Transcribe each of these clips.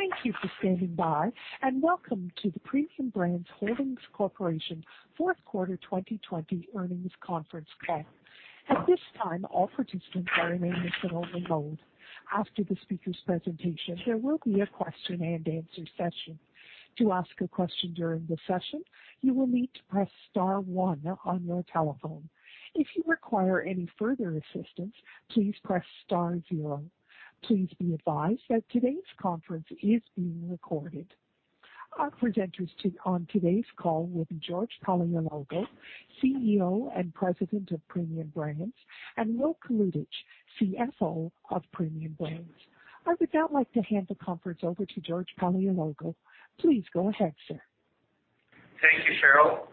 Thank you for standing by, and welcome to the Premium Brands Holdings Corporation Fourth Quarter 2020 Earnings Conference Call. At this time, all participants are in a listen-only mode. After the speakers' presentation, there will be a question and answer session. To ask a question during the session, you will need to press star one on your telephone. If you require any further assistance, please press star zero. Please be advised that today's conference is being recorded. Our presenters on today's call will be George Paleologou, CEO and President of Premium Brands, and Will Kalutycz, CFO of Premium Brands. I would now like to hand the conference over to George Paleologou. Please go ahead, sir. Thank you, Cheryl.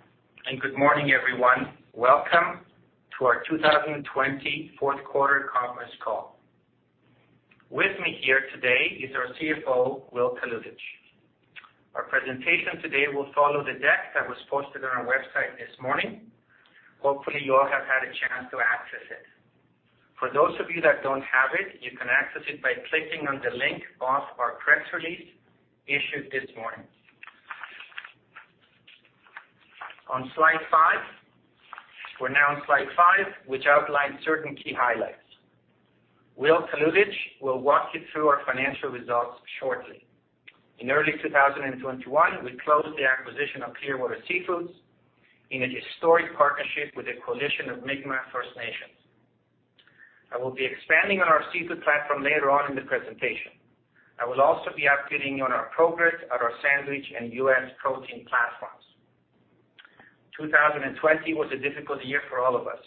Good morning, everyone. Welcome to our 2020 fourth quarter conference call. With me here today is our CFO, Will Kalutycz. Our presentation today will follow the deck that was posted on our website this morning. Hopefully, you all have had a chance to access it. For those of you that don't have it, you can access it by clicking on the link off our press release issued this morning. On slide five. We're now on slide five, which outlines certain key highlights. Will Kalutycz will walk you through our financial results shortly. In early 2021, we closed the acquisition of Clearwater Seafoods in a historic partnership with a coalition of Mi'kmaq First Nations. I will be expanding on our seafood platform later on in the presentation. I will also be updating you on our progress at our sandwich and U.S. protein platforms. 2020 was a difficult year for all of us.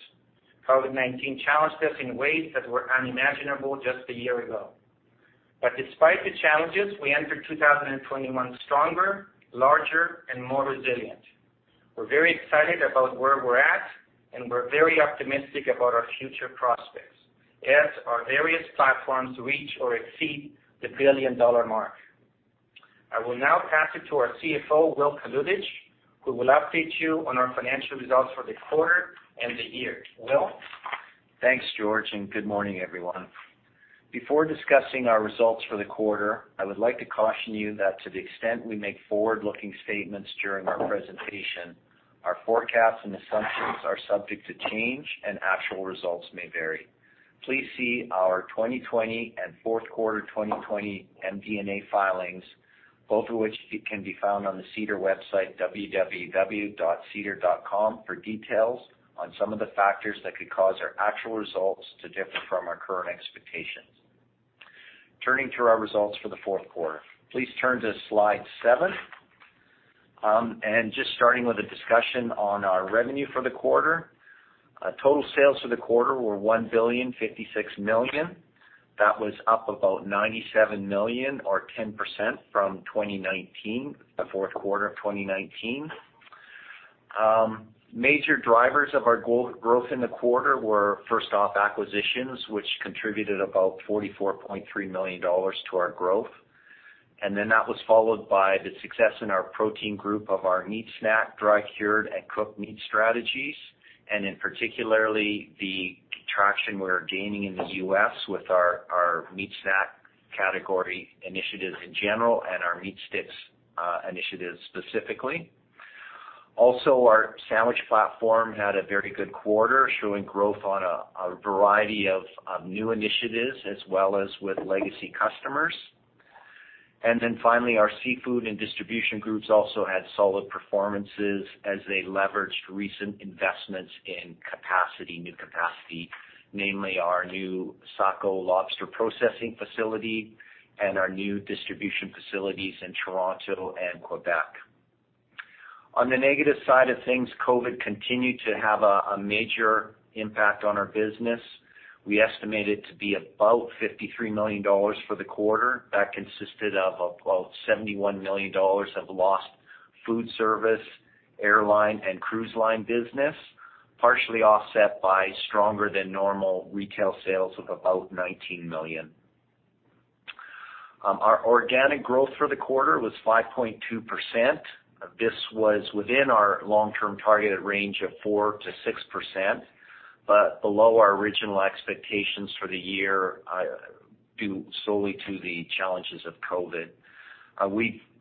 COVID-19 challenged us in ways that were unimaginable just a year ago. Despite the challenges, we enter 2021 stronger, larger, and more resilient. We're very excited about where we're at, and we're very optimistic about our future prospects as our various platforms reach or exceed the billion-dollar mark. I will now pass it to our CFO, Will Kalutycz, who will update you on our financial results for the quarter and the year. Will. Thanks, George, and good morning, everyone. Before discussing our results for the quarter, I would like to caution you that to the extent we make forward-looking statements during our presentation, our forecasts and assumptions are subject to change and actual results may vary. Please see our 2020 and fourth quarter 2020 MD&A filings, both of which can be found on the SEDAR website, www.sedar.com, for details on some of the factors that could cause our actual results to differ from our current expectations. Turning to our results for the fourth quarter. Please turn to slide seven. Just starting with a discussion on our revenue for the quarter. Total sales for the quarter were 1.056 billion. That was up about 97 million or 10% from 2019, the fourth quarter of 2019. Major drivers of our growth in the quarter were, first off, acquisitions, which contributed about 44.3 million dollars to our growth. That was followed by the success in our protein group of our meat snack, dry cured, and cooked meat strategies, and in particular the traction we're gaining in the U.S. with our meat snack category initiatives in general and our meat sticks initiatives specifically. Our sandwich platform had a very good quarter, showing growth on a variety of new initiatives, as well as with legacy customers. Finally, our seafood and distribution groups also had solid performances as they leveraged recent investments in new capacity, namely our new Saco Lobster processing facility and our new distribution facilities in Toronto and Quebec. On the negative side of things, COVID continued to have a major impact on our business. We estimate it to be about 53 million dollars for the quarter. That consisted of about 71 million dollars of lost food service, airline, and cruise line business, partially offset by stronger than normal retail sales of about 19 million. Our organic growth for the quarter was 5.2%. This was within our long-term targeted range of 4%-6%, but below our original expectations for the year due solely to the challenges of COVID.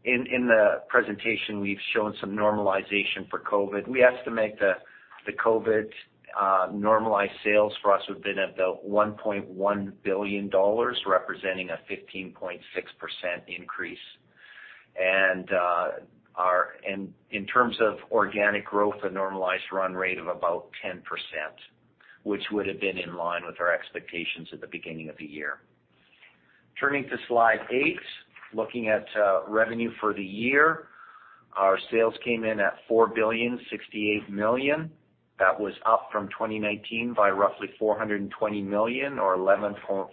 In the presentation, we've shown some normalization for COVID. We estimate the COVID normalized sales for us would've been at 1.1 billion dollars, representing a 15.6% increase. In terms of organic growth, a normalized run rate of about 10%, which would have been in line with our expectations at the beginning of the year. Turning to slide eight, looking at revenue for the year. Our sales came in at 4.068 billion. That was up from 2019 by roughly 420 million or 11.5%.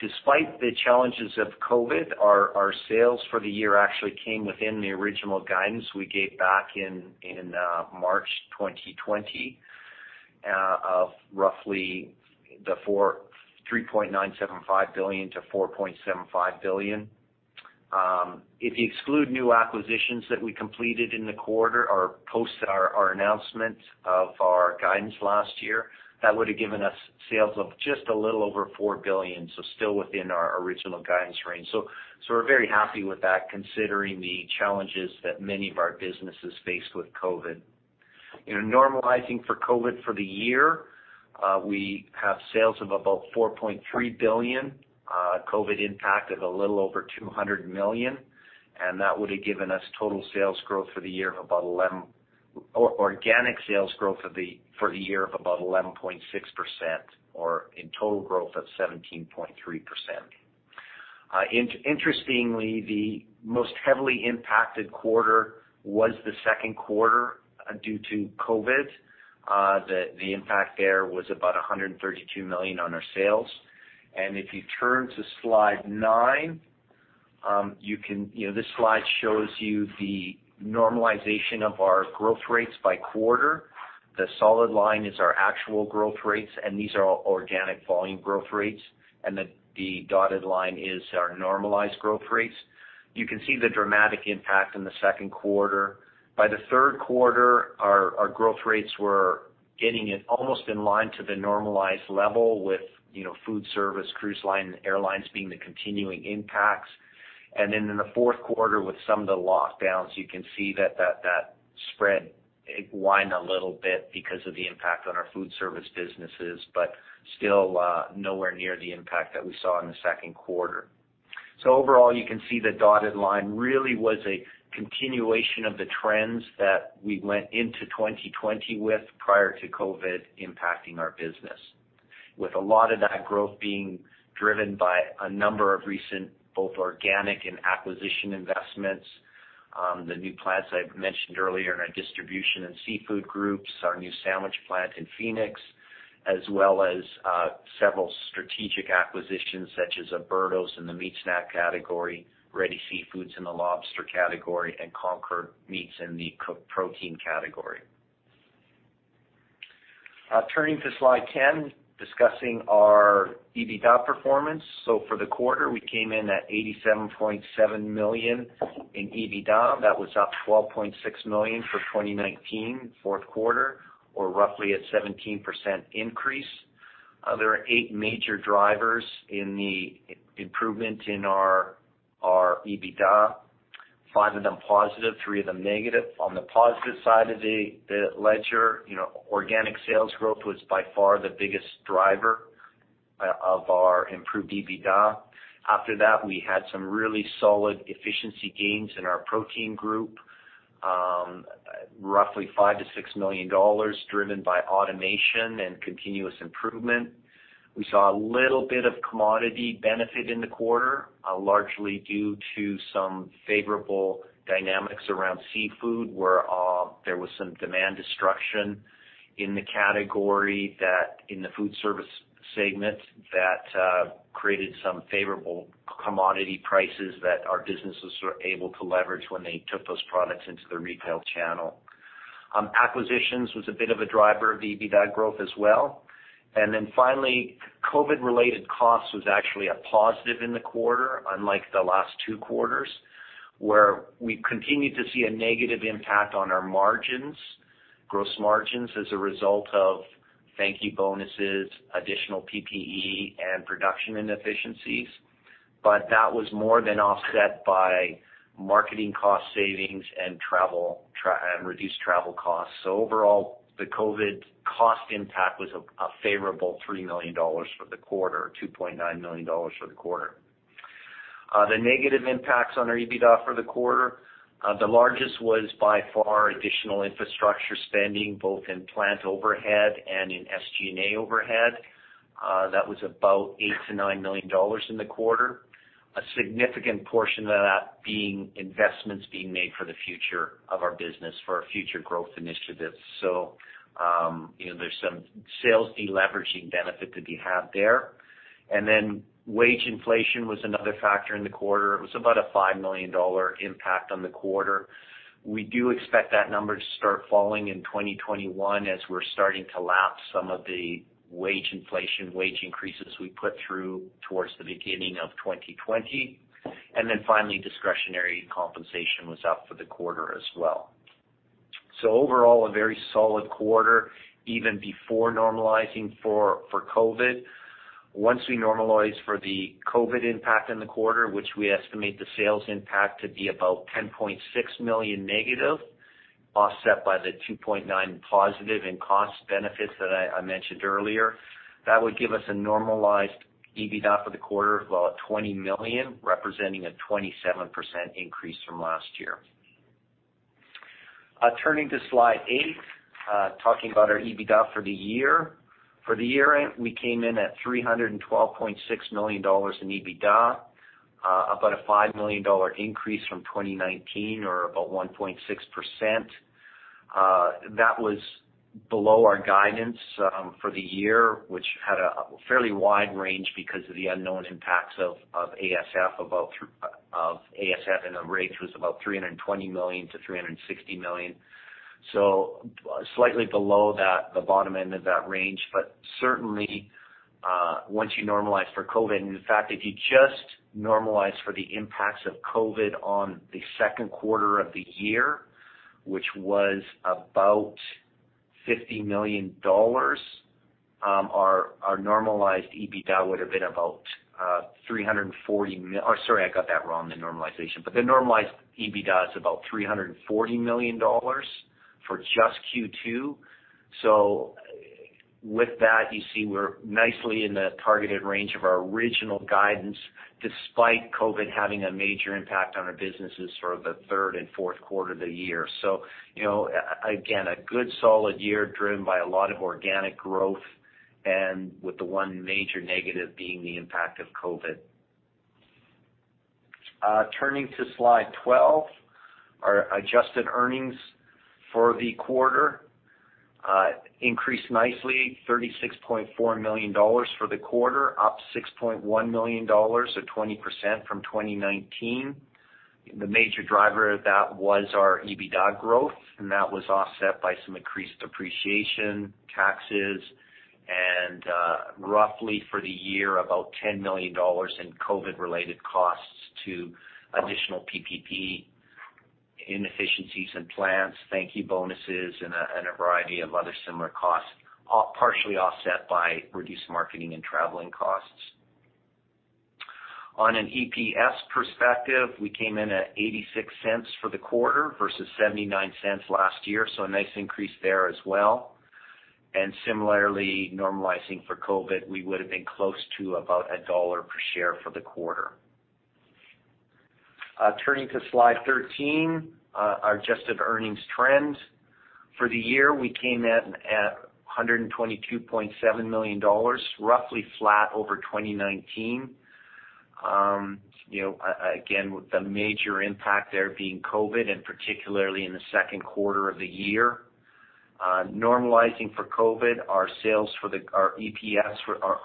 Despite the challenges of COVID, our sales for the year actually came within the original guidance we gave back in March 2020 of roughly 3.975 billion-4.75 billion. If you exclude new acquisitions that we completed in the quarter or post our announcement of our guidance last year, that would have given us sales of just a little over 4 billion. Still within our original guidance range. We're very happy with that considering the challenges that many of our businesses faced with COVID. Normalizing for COVID for the year, we have sales of about 4.3 billion, COVID impact of a little over 200 million, and that would have given us organic sales growth for the year of about 11.6%, or in total growth of 17.3%. Interestingly, the most heavily impacted quarter was the second quarter due to COVID. The impact there was about 132 million on our sales. If you turn to slide nine, this slide shows you the normalization of our growth rates by quarter. The solid line is our actual growth rates, these are all organic volume growth rates, and the dotted line is our normalized growth rates. You can see the dramatic impact in the second quarter. By the third quarter, our growth rates were getting almost in line to the normalized level with food service, cruise line, and airlines being the continuing impacts. In the fourth quarter with some of the lockdowns, you can see that spread widened a little bit because of the impact on our food service businesses, but still nowhere near the impact that we saw in the second quarter. Overall, you can see the dotted line really was a continuation of the trends that we went into 2020 with prior to COVID impacting our business. With a lot of that growth being driven by a number of recent, both organic and acquisition investments. The new plants I mentioned earlier in our distribution and seafood groups, our new sandwich plant in Phoenix, as well as several strategic acquisitions such as El Birdos in the meat snack category, Ready Seafood in the lobster category, and Concord Meats in the cooked protein category. Turning to slide 10, discussing our EBITDA performance. For the quarter, we came in at 87.7 million in EBITDA. That was up 12.6 million for 2019 fourth quarter, or roughly a 17% increase. There are eight major drivers in the improvement in our EBITDA, five of them positive, three of them negative. On the positive side of the ledger, organic sales growth was by far the biggest driver of our improved EBITDA. After that, we had some really solid efficiency gains in our protein group. Roughly 5 million-6 million dollars driven by automation and continuous improvement. We saw a little bit of commodity benefit in the quarter, largely due to some favorable dynamics around seafood, where there was some demand destruction in the category that in the food service segment that created some favorable commodity prices that our businesses were able to leverage when they took those products into the retail channel. Acquisitions was a bit of a driver of the EBITDA growth as well. Finally, COVID-related costs was actually a positive in the quarter, unlike the last two quarters, where we continued to see a negative impact on our margins, gross margins as a result of thank you bonuses, additional PPE, and production inefficiencies. That was more than offset by marketing cost savings and reduced travel costs. Overall, the COVID cost impact was a favorable 3 million dollars for the quarter, 2.9 million dollars for the quarter. The negative impacts on our EBITDA for the quarter, the largest was by far additional infrastructure spending, both in plant overhead and in SG&A overhead. That was about 8 million-9 million dollars in the quarter. A significant portion of that being investments being made for the future of our business, for our future growth initiatives. There's some sales deleveraging benefit to be had there. Wage inflation was another factor in the quarter. It was about a 5 million dollar impact on the quarter. We do expect that number to start falling in 2021 as we're starting to lap some of the wage inflation, wage increases we put through towards the beginning of 2020. Finally, discretionary compensation was up for the quarter as well. Overall, a very solid quarter, even before normalizing for COVID. Once we normalize for the COVID impact in the quarter, which we estimate the sales impact to be about -10.6 million, offset by the 2.9 positive in cost benefits that I mentioned earlier, that would give us a normalized EBITDA for the quarter of about 20 million, representing a 27% increase from last year. Turning to slide eight talking about our EBITDA for the year. For the year, we came in at 312.6 million dollars in EBITDA, about a 5 million dollar increase from 2019 or about 1.6%. That was below our guidance for the year, which had a fairly wide range because of the unknown impacts of ASF and the range was about 320 million to 360 million. Slightly below the bottom end of that range. Certainly, once you normalize for COVID, and in fact, if you just normalize for the impacts of COVID on the second quarter of the year, which was about 50 million dollars, our normalized EBITDA would have been about 340 million for just Q2. With that, you see we're nicely in the targeted range of our original guidance, despite COVID having a major impact on our businesses for the third and fourth quarter of the year. Again, a good solid year driven by a lot of organic growth and with the one major negative being the impact of COVID. Turning to slide 12, our adjusted earnings for the quarter increased nicely to 36.4 million dollars for the quarter, up 6.1 million dollars or 20% from 2019. The major driver of that was our EBITDA growth, and that was offset by some increased depreciation, taxes and roughly for the year, about 10 million dollars in COVID-related costs to additional PPE inefficiencies in plants, thank you bonuses, and a variety of other similar costs, partially offset by reduced marketing and traveling costs. On an EPS perspective, we came in at 0.86 for the quarter versus 0.79 last year, so a nice increase there as well. Similarly, normalizing for COVID, we would have been close to about CAD 1 per share for the quarter. Turning to slide 13, our adjusted earnings trends. For the year, we came in at 122.7 million dollars, roughly flat over 2019. Again, with the major impact there being COVID and particularly in the second quarter of the year. Normalizing for COVID, our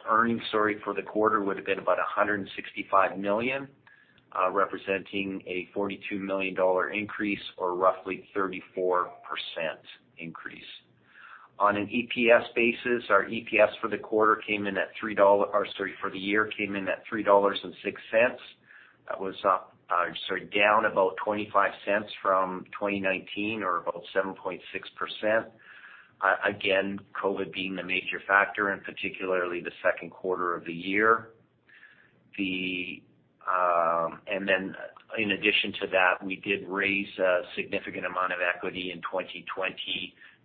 earnings for the quarter would have been about 165 million, representing a 42 million dollar increase or roughly 34% increase. On an EPS basis, our EPS for the year came in at 3.06 dollars. That was down about 0.25 from 2019 or about 7.6%. Again, COVID being the major factor and particularly the second quarter of the year. In addition to that, we did raise a significant amount of equity in 2020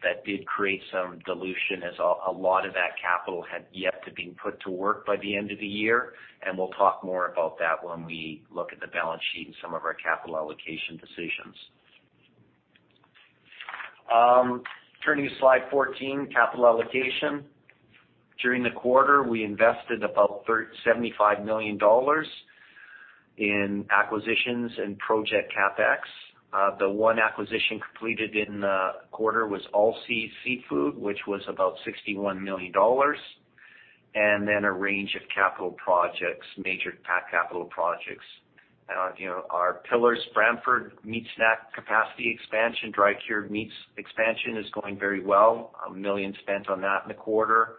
that did create some dilution as a lot of that capital had yet to be put to work by the end of the year. We'll talk more about that when we look at the balance sheet and some of our capital allocation decisions. Turning to slide 14, capital allocation. During the quarter, we invested about 75 million dollars in acquisitions and project CapEx. The one acquisition completed in the quarter was Allseas Seafood, which was about 61 million dollars. Then a range of capital projects, major capital projects. Our Piller's, Brantford meat snack capacity expansion, dry cured meats expansion is going very well. 1 million spent on that in the quarter.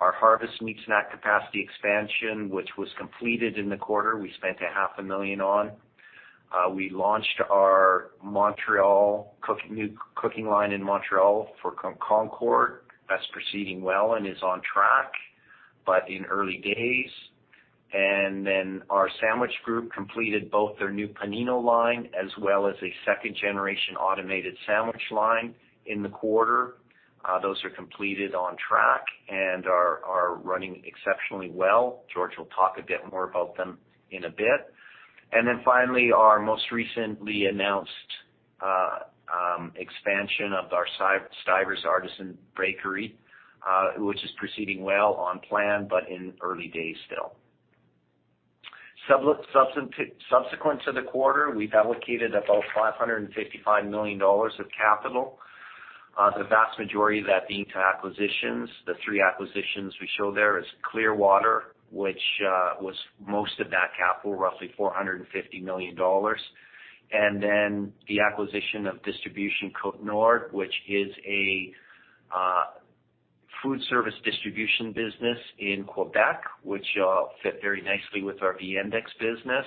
Our Harvest Meats snack capacity expansion, which was completed in the quarter, we spent half a million on. We launched our new cooking line in Montreal for Concord. That's proceeding well and is on track, but in the early days. Then our sandwich group completed both their new panino line as well as a second-generation automated sandwich line in the quarter. Those are completed on track and are running exceptionally well. George will talk a bit more about them in a bit. Our most recently announced expansion of our Stuyver's Artisan Bakery which is proceeding well on plan but in early days still. Subsequent to the quarter, we've allocated about 555 million dollars of capital, the vast majority of that being to acquisitions. The three acquisitions we show there is Clearwater, which was most of that capital, roughly 450 million dollars. The acquisition of Distribution Côte-Nord, which is a food service distribution business in Quebec, which fit very nicely with our Viandex business.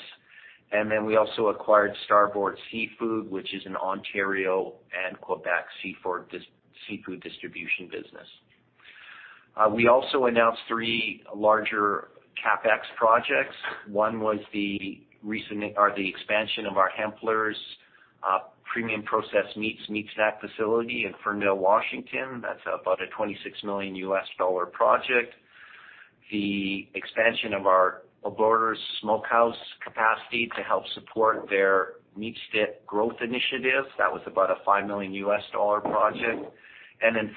We also acquired Starboard Seafood, which is an Ontario and Quebec seafood distribution business. We also announced three larger CapEx projects. One was the expansion of our Hempler's Premium Processed Meat Snack facility in Ferndale, Washington. That's about a CAD 26 million project. The expansion of our Coborn's smokehouse capacity to help support their meat snack growth initiative. That was about a CAD 5 million project.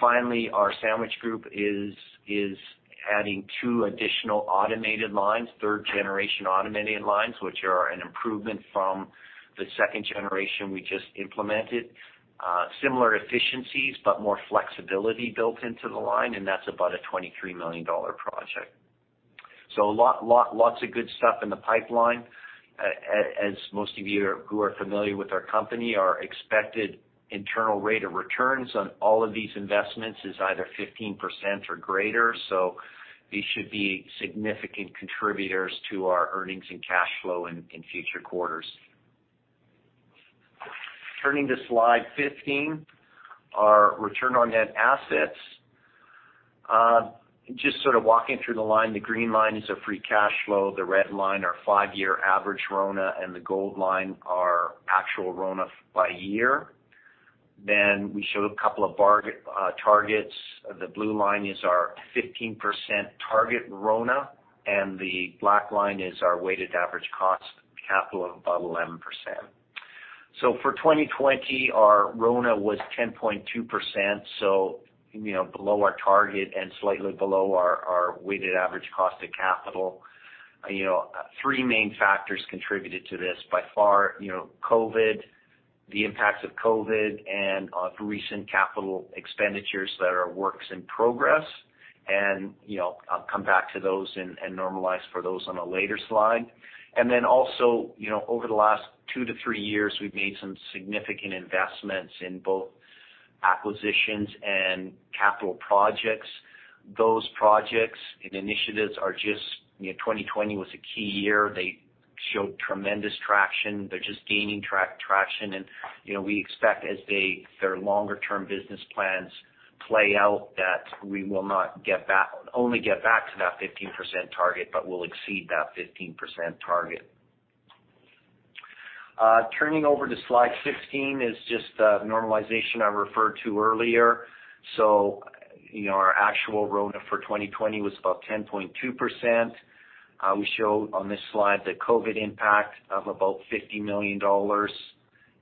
Finally, our sandwich group is adding two additional automated lines, third-generation automated lines, which are an improvement from the second generation we just implemented. Similar efficiencies, more flexibility built into the line, and that's about a 23 million dollar project. Lots of good stuff in the pipeline. As most of you who are familiar with our company, our expected internal rate of returns on all of these investments is either 15% or greater, so these should be significant contributors to our earnings and cash flow in future quarters. Turning to slide 15, our return on net assets. Just sort of walking through the line, the green line is a free cash flow, the red line, our five-year average RONA, and the gold line, our actual RONA by year. We show a couple of targets. The blue line is our 15% target RONA, and the black line is our weighted average cost of capital of about 11%. For 2020, our RONA was 10.2%, so below our target and slightly below our weighted average cost of capital. Three main factors contributed to this. By far, COVID, the impacts of COVID, and recent capital expenditures that are works in progress. I'll come back to those and normalize for those on a later slide. Also, over the last two to three years, we've made some significant investments in both acquisitions and capital projects. 2020 was a key year. They showed tremendous traction. They're just gaining traction, and we expect, as their longer-term business plans play out, that we will not only get back to that 15% target, but will exceed that 15% target. Turning over to slide 16, is just the normalization I referred to earlier. Our actual RONA for 2020 was about 10.2%. We show on this slide the COVID impact of about 50 million dollars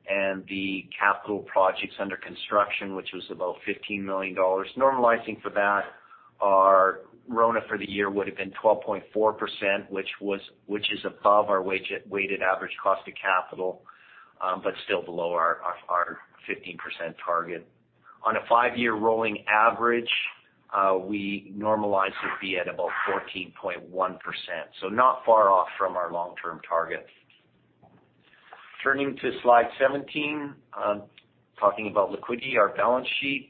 and the capital projects under construction, which was about 15 million dollars. Normalizing for that, our RONA for the year would've been 12.4%, which is above our weighted average cost of capital, but still below our 15% target. On a five-year rolling average, we normalize to be at about 14.1%, so not far off from our long-term target. Turning to slide 17, talking about liquidity, our balance sheet.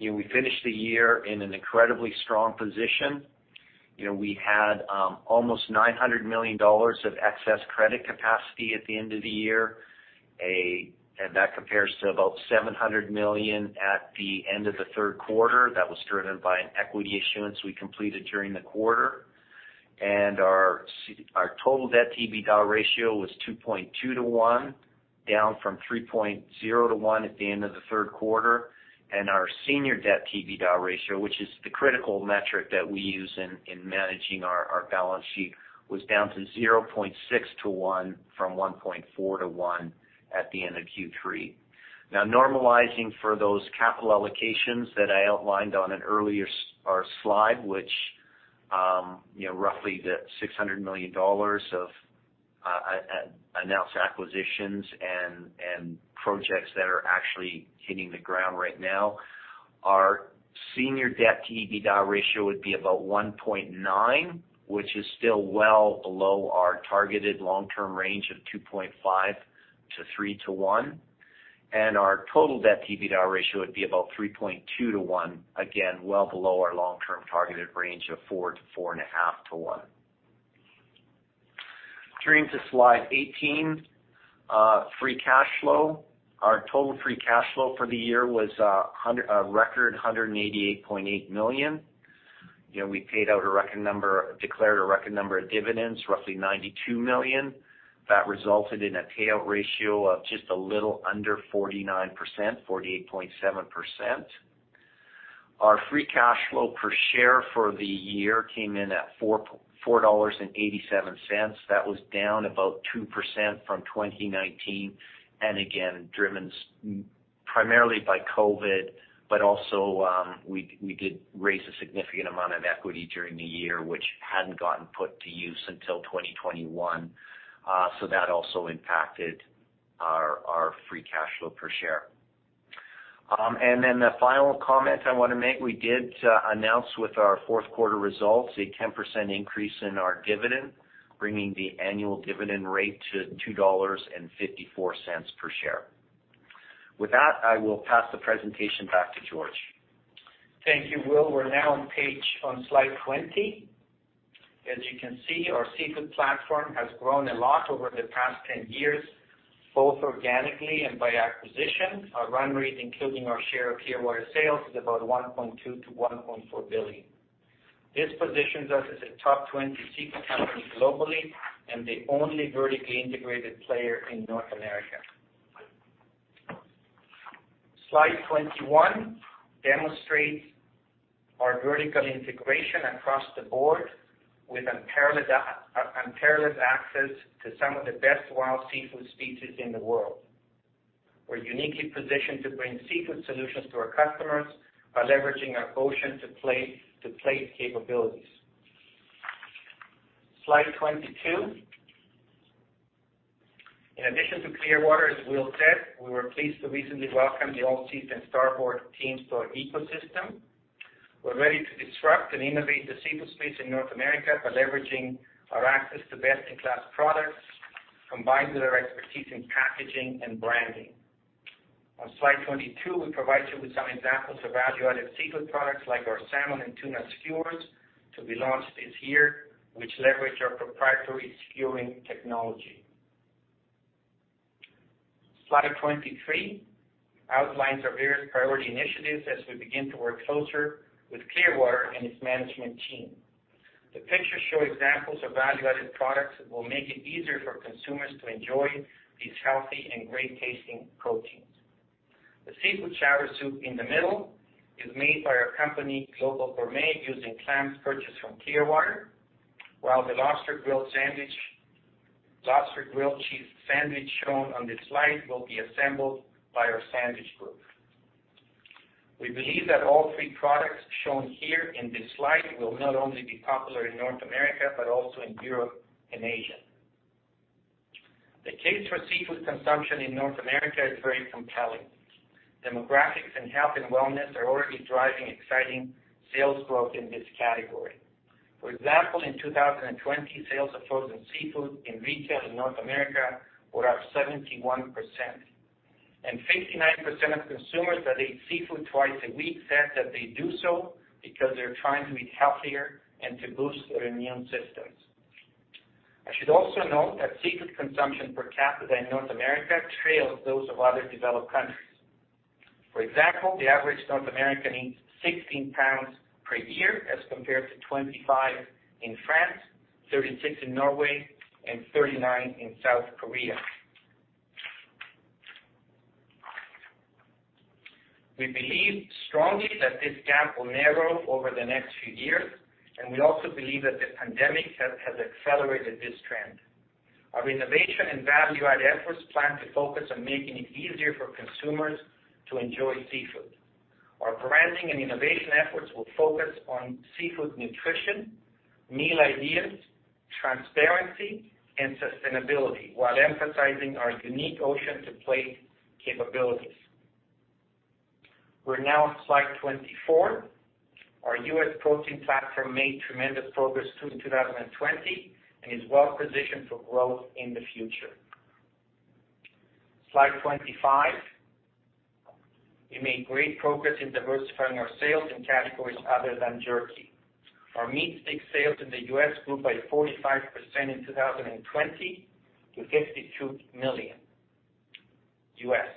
We finished the year in an incredibly strong position. We had almost 900 million dollars of excess credit capacity at the end of the year, that compares to about 700 million at the end of the third quarter. That was driven by an equity issuance we completed during the quarter. Our total debt-to-EBITDA ratio was 2.2:1, down from 3.0:1 at the end of the third quarter. Our senior debt-to-EBITDA ratio, which is the critical metric that we use in managing our balance sheet, was down to 0.6:1 from 1.4:1 at the end of Q3. Now, normalizing for those capital allocations that I outlined on an earlier slide, which roughly the 600 million dollars of announced acquisitions and projects that are actually hitting the ground right now, our senior debt-to-EBITDA ratio would be about 1.9, which is still well below our targeted long-term range of 2.5:3:1. Our total debt-to-EBITDA ratio would be about 3.2:1, again, well below our long-term targeted range of 4:4.5:1. Turning to slide 18, free cash flow. Our total free cash flow for the year was a record 188.8 million. We declared a record number of dividends, roughly 92 million. That resulted in a payout ratio of just a little under 49%, 48.7%. Our free cash flow per share for the year came in at 4.87 dollars. That was down about 2% from 2019, again, driven primarily by COVID, but also, we did raise a significant amount of equity during the year, which hadn't gotten put to use until 2021. That also impacted our free cash flow per share. The final comment I want to make, we did announce with our fourth quarter results a 10% increase in our dividend, bringing the annual dividend rate to 2.54 dollars per share. With that, I will pass the presentation back to George. Thank you, Will. We're now on slide 20. As you can see, our seafood platform has grown a lot over the past 10 years, both organically and by acquisition. Our run rate, including our share of Clearwater Sales, is about 1.2 billion-1.4 billion. This positions us as a top 20 seafood company globally and the only vertically integrated player in North America. Slide 21 demonstrates our vertical integration across the board with unparalleled access to some of the best wild seafood species in the world. We're uniquely positioned to bring seafood solutions to our customers by leveraging our ocean-to-plate capabilities. Slide 22. In addition to Clearwater, as Will said, we were pleased to recently welcome the Allseas and Starboard teams to our ecosystem. We're ready to disrupt and innovate the seafood space in North America by leveraging our access to best-in-class products, combined with our expertise in packaging and branding. On slide 22, we provide you with some examples of value-added seafood products like our salmon and tuna skewers to be launched this year, which leverage our proprietary skewing technology. Slide 23 outlines our various priority initiatives as we begin to work closer with Clearwater and its management team. The pictures show examples of value-added products that will make it easier for consumers to enjoy these healthy and great-tasting proteins. The seafood chowder soup in the middle is made by our company, Global Gourmet, using clams purchased from Clearwater, while the lobster grill cheese sandwich shown on this slide will be assembled by our sandwich group. We believe that all three products shown here in this slide will not only be popular in North America, but also in Europe and Asia. The case for seafood consumption in North America is very compelling. Demographics and health, and wellness are already driving exciting sales growth in this category. For example, in 2020, sales of frozen seafood in retail in North America were up 71%. 59% of consumers that ate seafood twice a week said that they do so because they're trying to eat healthier and to boost their immune systems. I should also note that seafood consumption per capita in North America trails those of other developed countries. For example, the average North American eats 16 lbs per year as compared to 25 lbs in France, 36 lbs in Norway, and 39 lbs in South Korea. We believe strongly that this gap will narrow over the next few years, and we also believe that the pandemic has accelerated this trend. Our innovation and value-add efforts plan to focus on making it easier for consumers to enjoy seafood. Our branding and innovation efforts will focus on seafood nutrition, meal ideas, transparency, and sustainability while emphasizing our unique ocean-to-plate capabilities. We're now on slide 24. Our U.S. protein platform made tremendous progress through 2020, and is well positioned for growth in the future. Slide 25. We made great progress in diversifying our sales in categories other than jerky. Our meat stick sales in the U.S. grew by 45% in 2020 to $52 million U.S.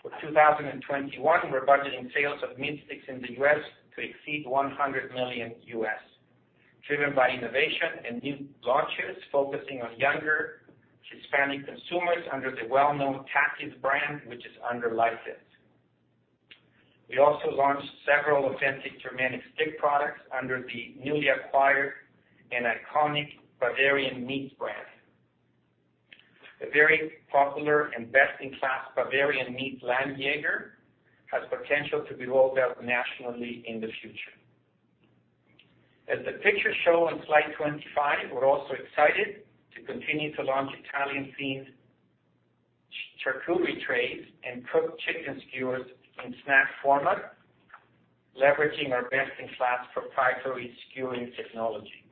For 2021, we're budgeting sales of meat sticks in the U.S. to exceed $100 million U.S., driven by innovation and new launches focusing on younger Hispanic consumers under the well-known Takis brand, which is under license. We also launched several authentic Germanic stick products under the newly acquired and iconic Bavarian Meats brand. The very popular and best-in-class Bavarian Meats Landjaeger has potential to be rolled out nationally in the future. As the pictures show on slide 25, we're also excited to continue to launch Italian-themed charcuterie trays and cooked chicken skewers in snack format, leveraging our best-in-class proprietary skewing technology.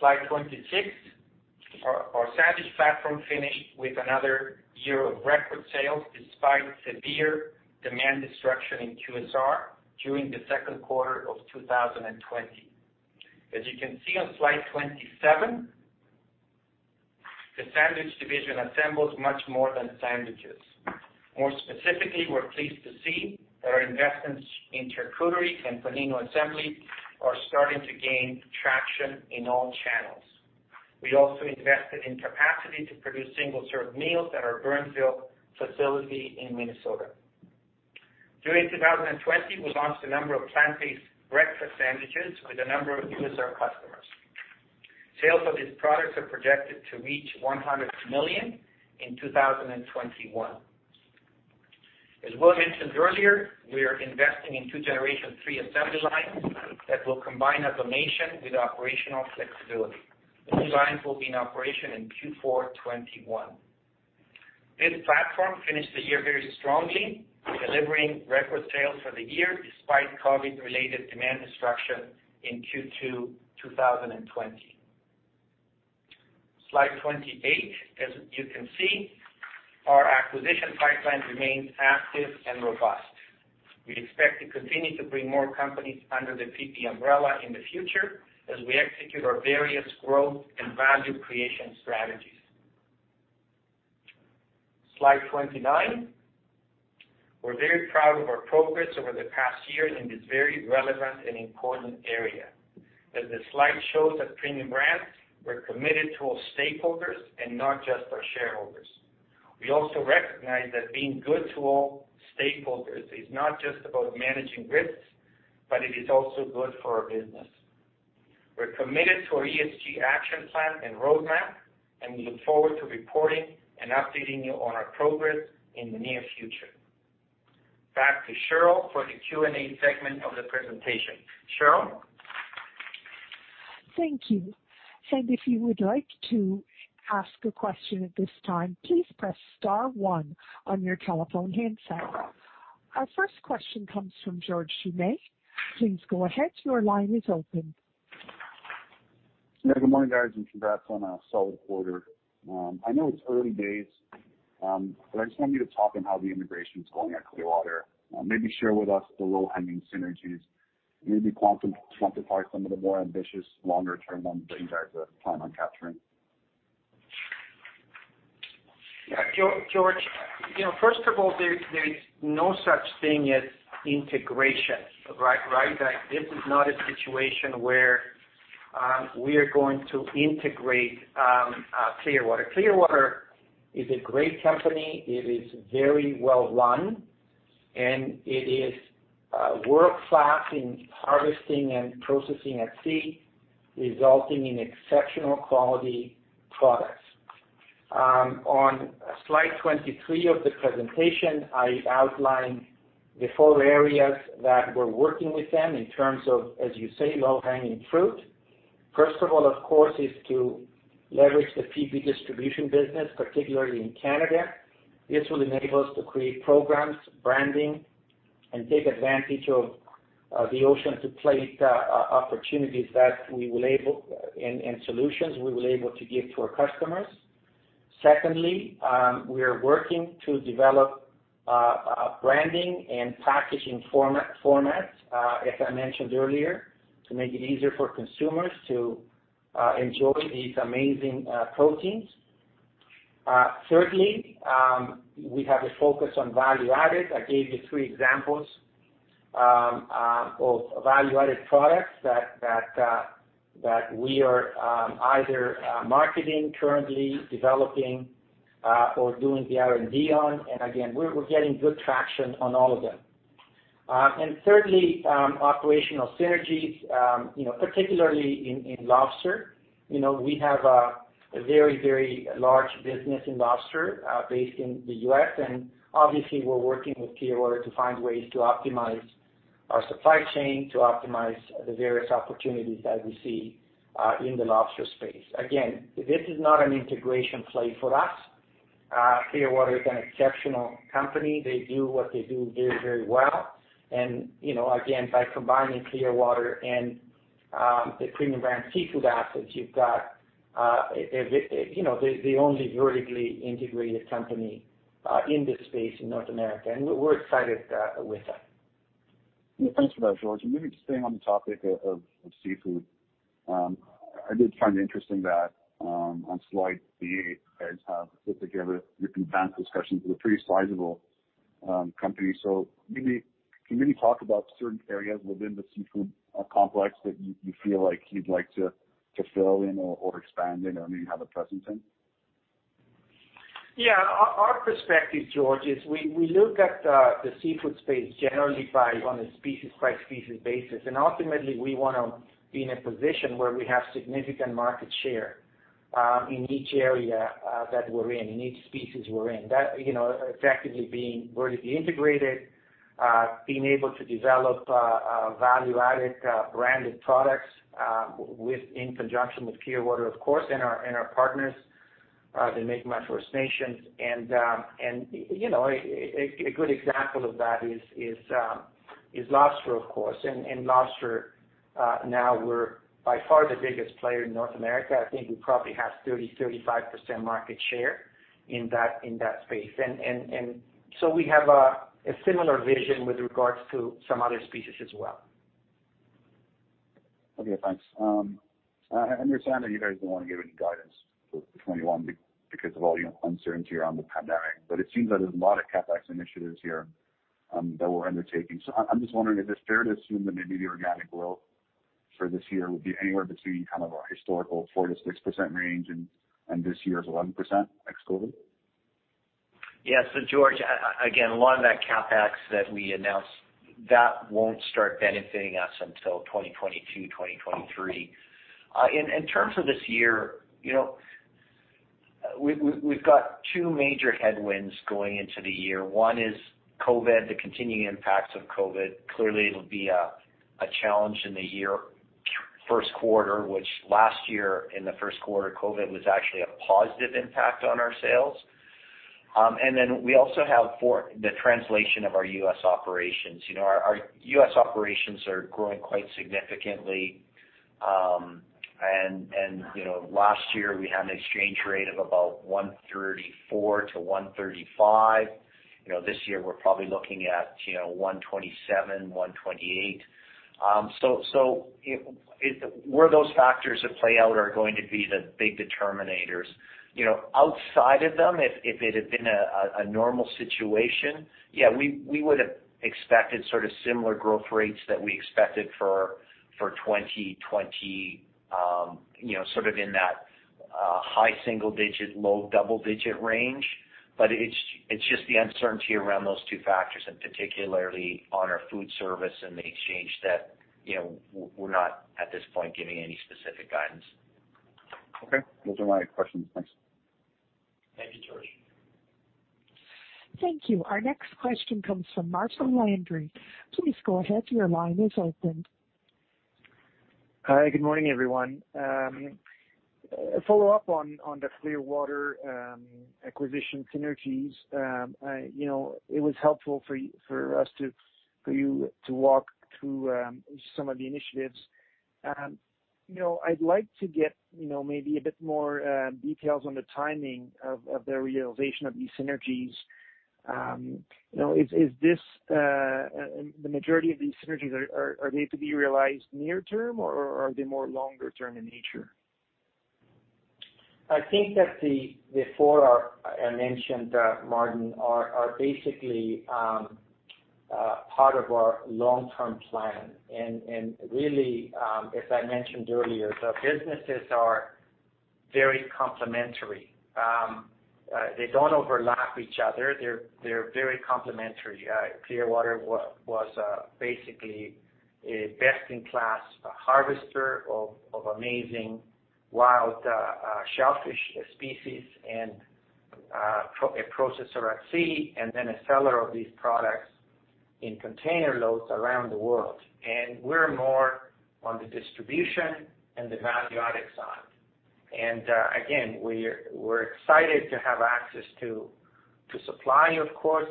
Slide 26. Our sandwich platform finished with another year of record sales despite severe demand destruction in QSR during the second quarter of 2020. As you can see on slide 27, the sandwich division assembles much more than sandwiches. More specifically, we're pleased to see that our investments in charcuterie and panino assembly are starting to gain traction in all channels. We also invested in capacity to produce single-serve meals at our Burnsville facility in Minnesota. During 2020, we launched a number of plant-based breakfast sandwiches with a number of QSR customers. Sales of these products are projected to reach 100 million in 2021. As Will mentioned earlier, we are investing in two generation three assembly lines that will combine automation with operational flexibility. The new lines will be in operation in Q4 2021. This platform finished the year very strongly, delivering record sales for the year despite COVID-related demand destruction in Q2 2020. Slide 28. As you can see, our acquisition pipeline remains active and robust. We expect to continue to bring more companies under the PB umbrella in the future as we execute our various growth and value creation strategies. Slide 29. We're very proud of our progress over the past year in this very relevant and important area. As the slide shows, at Premium Brands, we're committed to all stakeholders and not just our shareholders. We also recognize that being good to all stakeholders is not just about managing risks, but it is also good for our business. We're committed to our ESG action plan and roadmap, and we look forward to reporting and updating you on our progress in the near future. Cheryl for the Q&A segment of the presentation. Cheryl? Thank you. If you would to ask a question please press star one on your telephone keypad. Our first question comes from George Doumet. Please go ahead. Your line is open. Yeah. Good morning, guys. Congrats on a solid quarter. I know it's early days. I just want you to talk on how the integration's going at Clearwater. Maybe share with us the low-hanging synergies. Maybe quantify some of the more ambitious longer-term ones that you guys plan on capturing. Yeah. George, first of all, there's no such thing as integration, right? This is not a situation where we are going to integrate Clearwater. Clearwater is a great company. It is very well-run, and it is world-class in harvesting and processing at sea, resulting in exceptional quality products. On slide 23 of the presentation, I outlined the four areas that we're working with them in terms of, as you say, low-hanging fruit. First of all, of course, is to leverage the PB distribution business, particularly in Canada. This will enable us to create programs, branding, and take advantage of the ocean-to-plate opportunities and solutions we will be able to give to our customers. Secondly, we are working to develop branding and packaging formats, as I mentioned earlier, to make it easier for consumers to enjoy these amazing proteins. Thirdly, we have a focus on value added. I gave you three examples of value-added products that we are either marketing currently, developing, or doing the R&D on. Again, we're getting good traction on all of them. Thirdly, operational synergies, particularly in lobster. We have a very large business in lobster, based in the U.S., and obviously we're working with Clearwater to find ways to optimize our supply chain, to optimize the various opportunities that we see in the lobster space. Again, this is not an integration play for us. Clearwater is an exceptional company. They do what they do very well. Again, by combining Clearwater and the Premium Brands seafood assets, you've got the only vertically integrated company in this space in North America, and we're excited with that. Yeah. Thanks for that, George. Maybe just staying on the topic of seafood. I did find it interesting that on slide eight, you guys have put together your combined discussions with a pretty sizable company. Can you maybe talk about certain areas within the seafood complex that you feel like you'd like to fill in or expand in or maybe have a presence in? Yeah. Our perspective, George, is we look at the seafood space generally on a species by species basis. Ultimately we want to be in a position where we have significant market share in each area that we're in each species we're in. That effectively being vertically integrated, being able to develop value-added branded products in conjunction with Clearwater, of course, and our partners, the Mi'kmaq First Nations. A good example of that is lobster, of course. In lobster now we're by far the biggest player in North America. I think we probably have 30%, 35% market share in that space. We have a similar vision with regards to some other species as well. Okay. Thanks. I understand that you guys don't want to give any guidance for 2021 because of all the uncertainty around the pandemic, but it seems that there's a lot of CapEx initiatives here that we're undertaking. I'm just wondering, is it fair to assume that maybe the organic growth for this year would be anywhere between kind of a historical 4%-6% range and this year's 11% ex COVID? Yeah. George, again, a lot of that CapEx that we announced, that won't start benefiting us until 2022, 2023. In terms of this year, we've got two major headwinds going into the year. One is COVID, the continuing impacts of COVID. Clearly, it'll be a challenge in the year first quarter, which last year in the first quarter, COVID was actually a positive impact on our sales. We also have the translation of our U.S. operations. Our U.S. operations are growing quite significantly, Last year we had an exchange rate of about 134-135. This year we're probably looking at 127, 128. Where those factors play out are going to be the big determinators. Outside of them, if it had been a normal situation, yeah, we would've expected sort of similar growth rates that we expected for 2020, sort of in that high single-digit, low double-digit range. It's just the uncertainty around those two factors, and particularly on our food service and the exchange that we're not at this point giving any specific guidance. Okay. Those are my questions. Thanks. Thank you. Our next question comes from Martin Landry. Please go ahead. Your line is open. Hi. Good morning, everyone. A follow-up on the Clearwater acquisition synergies. It was helpful for you to walk through some of the initiatives. I'd like to get maybe a bit more details on the timing of the realization of these synergies. The majority of these synergies, are they to be realized near-term, or are they more longer-term in nature? I think that the four I mentioned, Martin, are basically part of our long-term plan. Really, as I mentioned earlier, the businesses are very complementary. They don't overlap each other. They're very complementary. Clearwater was basically a best-in-class harvester of amazing wild shellfish species and a processor at sea, then a seller of these products in container loads around the world. We're more on the distribution and the value-added side. Again, we're excited to have access to supply, of course.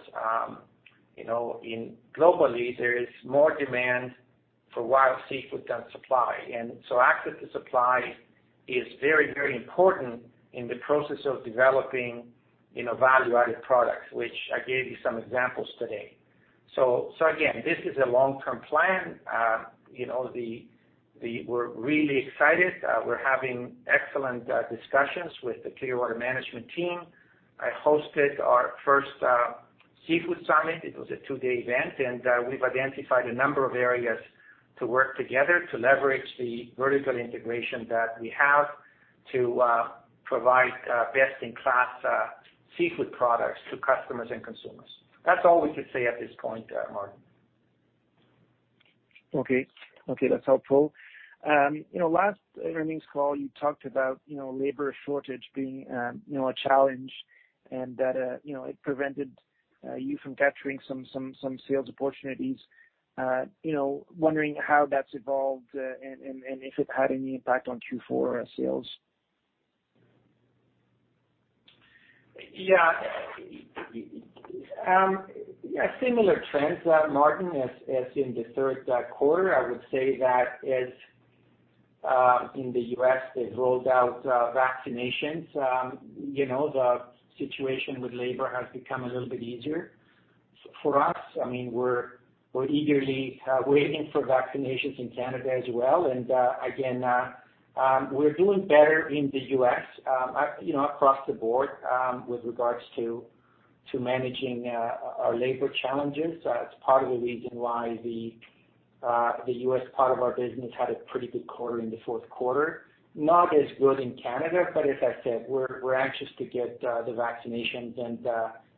Globally, there is more demand for wild seafood than supply. Access to supply is very, very important in the process of developing value-added products, which I gave you some examples today. Again, this is a long-term plan. We're really excited. We're having excellent discussions with the Clearwater management team. I hosted our first seafood summit. It was a two-day event. We've identified a number of areas to work together to leverage the vertical integration that we have to provide best-in-class seafood products to customers and consumers. That's all we could say at this point, Martin. Okay. That's helpful. Last earnings call, you talked about labor shortage being a challenge and that it prevented you from capturing some sales opportunities. Wondering how that's evolved and if it had any impact on Q4 sales? Yeah. Similar trends, Martin, as in the third quarter. I would say that as in the U.S., they've rolled out vaccinations. The situation with labor has become a little bit easier. For us, we're eagerly waiting for vaccinations in Canada as well, and again, we're doing better in the U.S. across the board with regards to managing our labor challenges. It's part of the reason why the U.S. part of our business had a pretty good quarter in the fourth quarter. Not as good in Canada. As I said, we're anxious to get the vaccinations and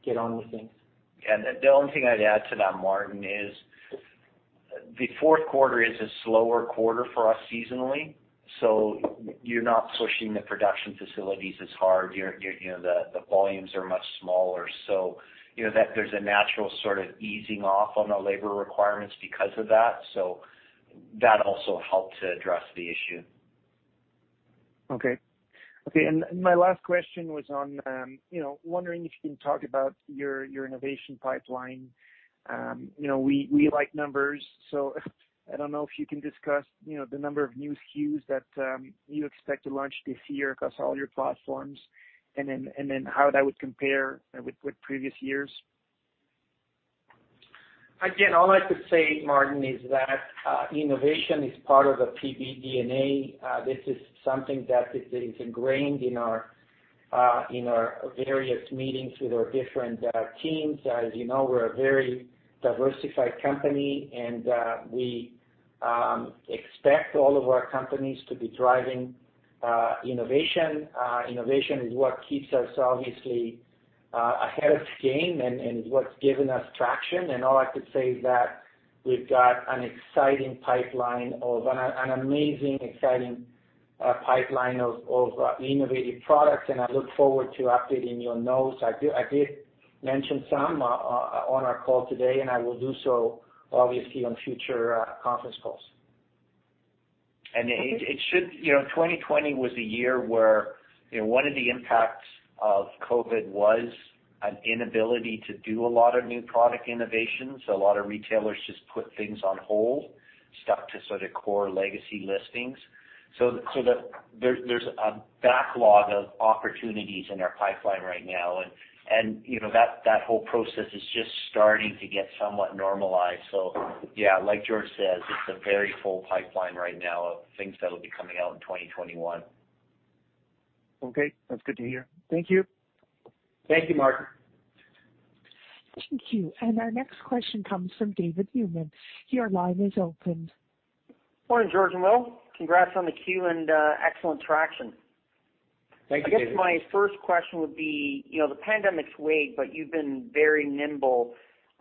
get on with things. The only thing I’d add to that, Martin, is the fourth quarter is a slower quarter for us seasonally, so you’re not pushing the production facilities as hard. The volumes are much smaller. There’s a natural sort of easing off on the labor requirements because of that. That also helped to address the issue. Okay. My last question was on wondering if you can talk about your innovation pipeline. We like numbers, so I don't know if you can discuss the number of new SKUs that you expect to launch this year across all your platforms, and then how that would compare with previous years? Again, all I could say, Martin, is that innovation is part of the PB DNA. This is something that is ingrained in our various meetings with our different teams. As you know, we're a very diversified company, and we expect all of our companies to be driving innovation. Innovation is what keeps us, obviously, ahead of the game and what's given us traction. All I could say is that we've got an amazing, exciting pipeline of innovative products, and I look forward to updating your notes. I did mention some on our call today, and I will do so obviously on future conference calls. 2020 was a year where one of the impacts of COVID was an inability to do a lot of new product innovation. A lot of retailers just put things on hold, stuck to sort of core legacy listings. There's a backlog of opportunities in our pipeline right now, and that whole process is just starting to get somewhat normalized. Yeah, like George says, it's a very full pipeline right now of things that'll be coming out in 2021. Okay. That's good to hear. Thank you. Thank you, Martin. Thank you. Our next question comes from David Newman. Your line is open. Morning, George and Will. Congrats on the Q4 and excellent traction. Thank you, David. I guess my first question would be, the pandemic's weighed, but you've been very nimble,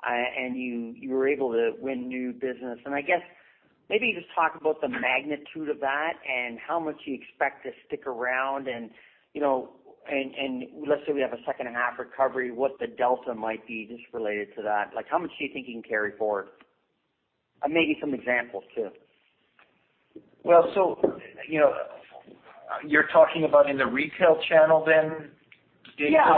and you were able to win new business. Maybe just talk about the magnitude of that and how much you expect to stick around and let's say we have a second half recovery, what the delta might be just related to that. How much do you think you can carry forward? Maybe some examples, too. You're talking about in the retail channel then, David? Yeah.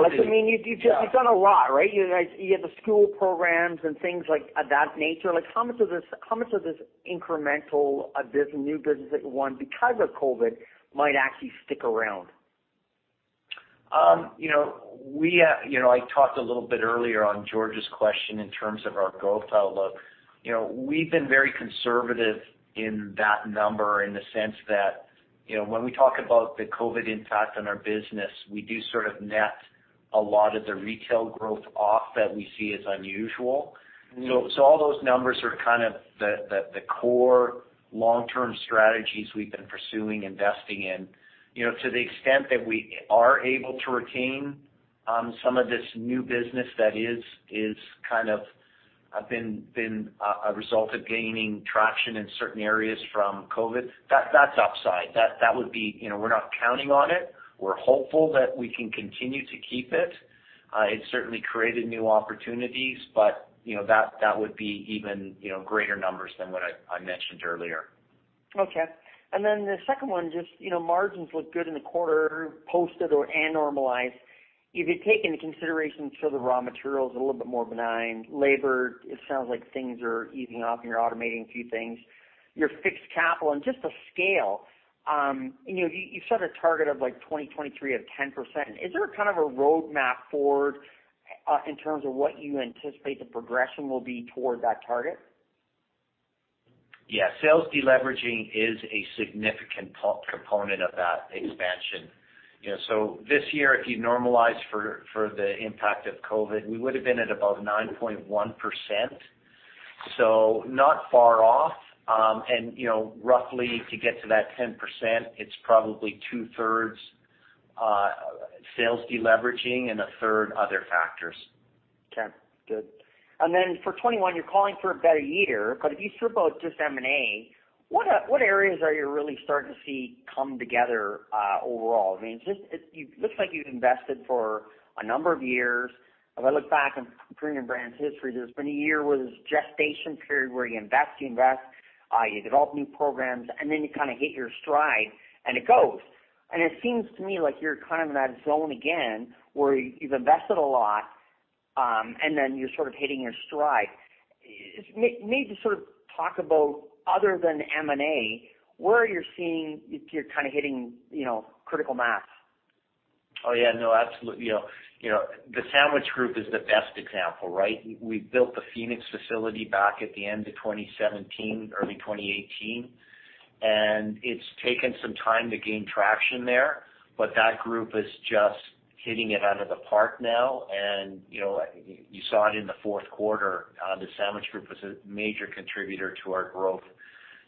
You've done a lot, right? You have the school programs and things of that nature. How much of this incremental business, new business that you won because of COVID might actually stick around? I talked a little bit earlier on George's question in terms of our go-forward outlook. We've been very conservative in that number in the sense that when we talk about the COVID impact on our business, we do sort of net a lot of the retail growth off that we see as unusual. All those numbers are kind of the core long-term strategies we've been pursuing investing in. To the extent that we are able to retain some of this new business that has kind of been a result of gaining traction in certain areas from COVID, that is upside. We are not counting on it. We are hopeful that we can continue to keep it. It certainly created new opportunities. That would be even greater numbers than what I mentioned earlier. Okay. The second one, just margins look good in the quarter posted or, and normalized. If you take into consideration sort of raw materials a little bit more benign, labor, it sounds like things are easing off and you're automating a few things. Your fixed capital and just the scale, you set a target of like 2023 of 10%. Is there a kind of a roadmap forward in terms of what you anticipate the progression will be toward that target? Yeah. Sales deleveraging is a significant component of that expansion. This year, if you normalize for the impact of COVID, we would've been at about 9.1%. Not far off. Roughly to get to that 10%, it's probably 2/3 sales deleveraging and a third other factors. Okay, good. Then for 2021, you're calling for a better year, but if you strip out just M&A, what areas are you really starting to see come together overall? I mean, it looks like you've invested for a number of years. If I look back on Premium Brands' history, there's been a year where this gestation period where you invest, you develop new programs, and then you kind of hit your stride and it goes. It seems to me like you're kind of in that zone again where you've invested a lot, and then you're sort of hitting your stride. Maybe sort of talk about other than M&A, where you're seeing you're kind of hitting critical mass. Oh, yeah. No, absolutely. The sandwich group is the best example, right? We built the Phoenix facility back at the end of 2017, early 2018, and it's taken some time to gain traction there, but that group is just hitting it out of the park now and you saw it in the fourth quarter, the sandwich group was a major contributor to our growth.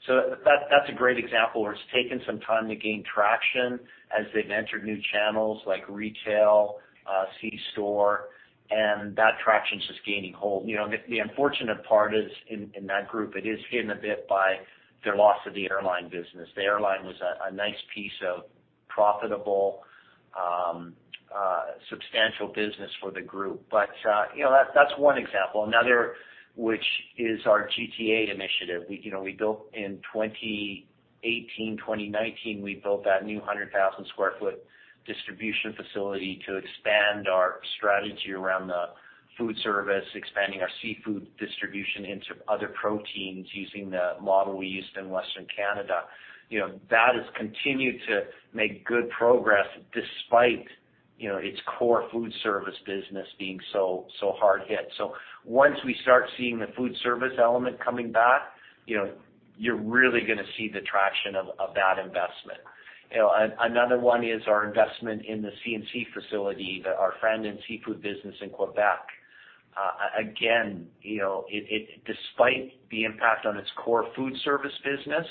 That's a great example where it's taken some time to gain traction as they've entered new channels like retail, C-store, and that traction's just gaining hold. The unfortunate part is in that group, it is hidden a bit by their loss of the airline business. The airline was a nice piece of profitable, substantial business for the group. That's one example. Another, which is our GTA initiative. In 2018, 2019, we built that new 100,000 sq ft distribution facility to expand our strategy around the food service, expanding our seafood distribution into other proteins using the model we used in Western Canada. That has continued to make good progress despite its core food service business being so hard hit. Once we start seeing the food service element coming back, you're really gonna see the traction of that investment. Another one is our investment in the C&C facility, our French seafood business in Quebec. Again, despite the impact on its core food service business,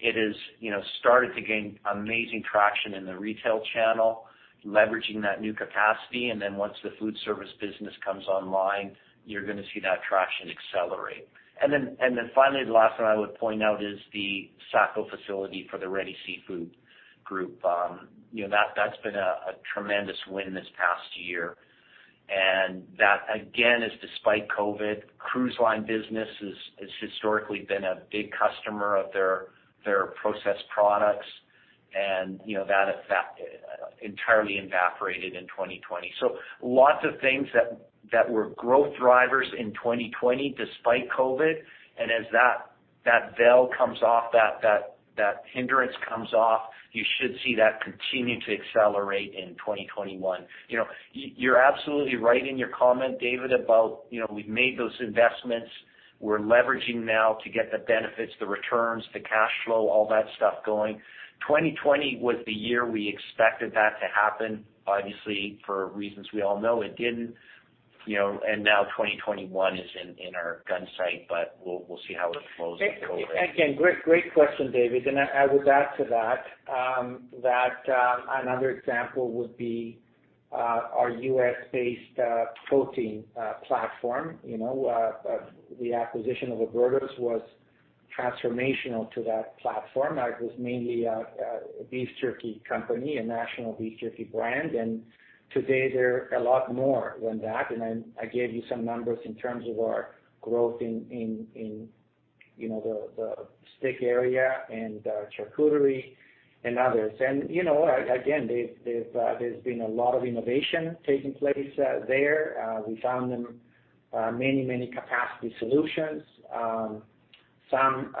it has started to gain amazing traction in the retail channel, leveraging that new capacity, and then once the food service business comes online, you're gonna see that traction accelerate. Finally, the last one I would point out is the Saco facility for the Ready Seafood Group. That's been a tremendous win this past year, and that, again, is despite COVID. Cruise line business has historically been a big customer of their processed products, and that entirely evaporated in 2020. Lots of things that were growth drivers in 2020 despite COVID, and as that veil comes off, that hindrance comes off, you should see that continue to accelerate in 2021. You're absolutely right in your comment, David, about we've made those investments. We're leveraging now to get the benefits, the returns, the cash flow, all that stuff going. 2020 was the year we expected that to happen. Obviously, for reasons we all know it didn't, and now 2021 is in our gunsight, but we'll see how it flows with COVID. Again, great question, David. I would add to that another example would be our U.S.-based protein platform. The acquisition of Oberto's was transformational to that platform. It was mainly a beef jerky company, a national beef jerky brand. Today they're a lot more than that. I gave you some numbers in terms of our growth in the stick area and charcuterie and others. Again, there's been a lot of innovation taking place there. We found them many capacity solutions, some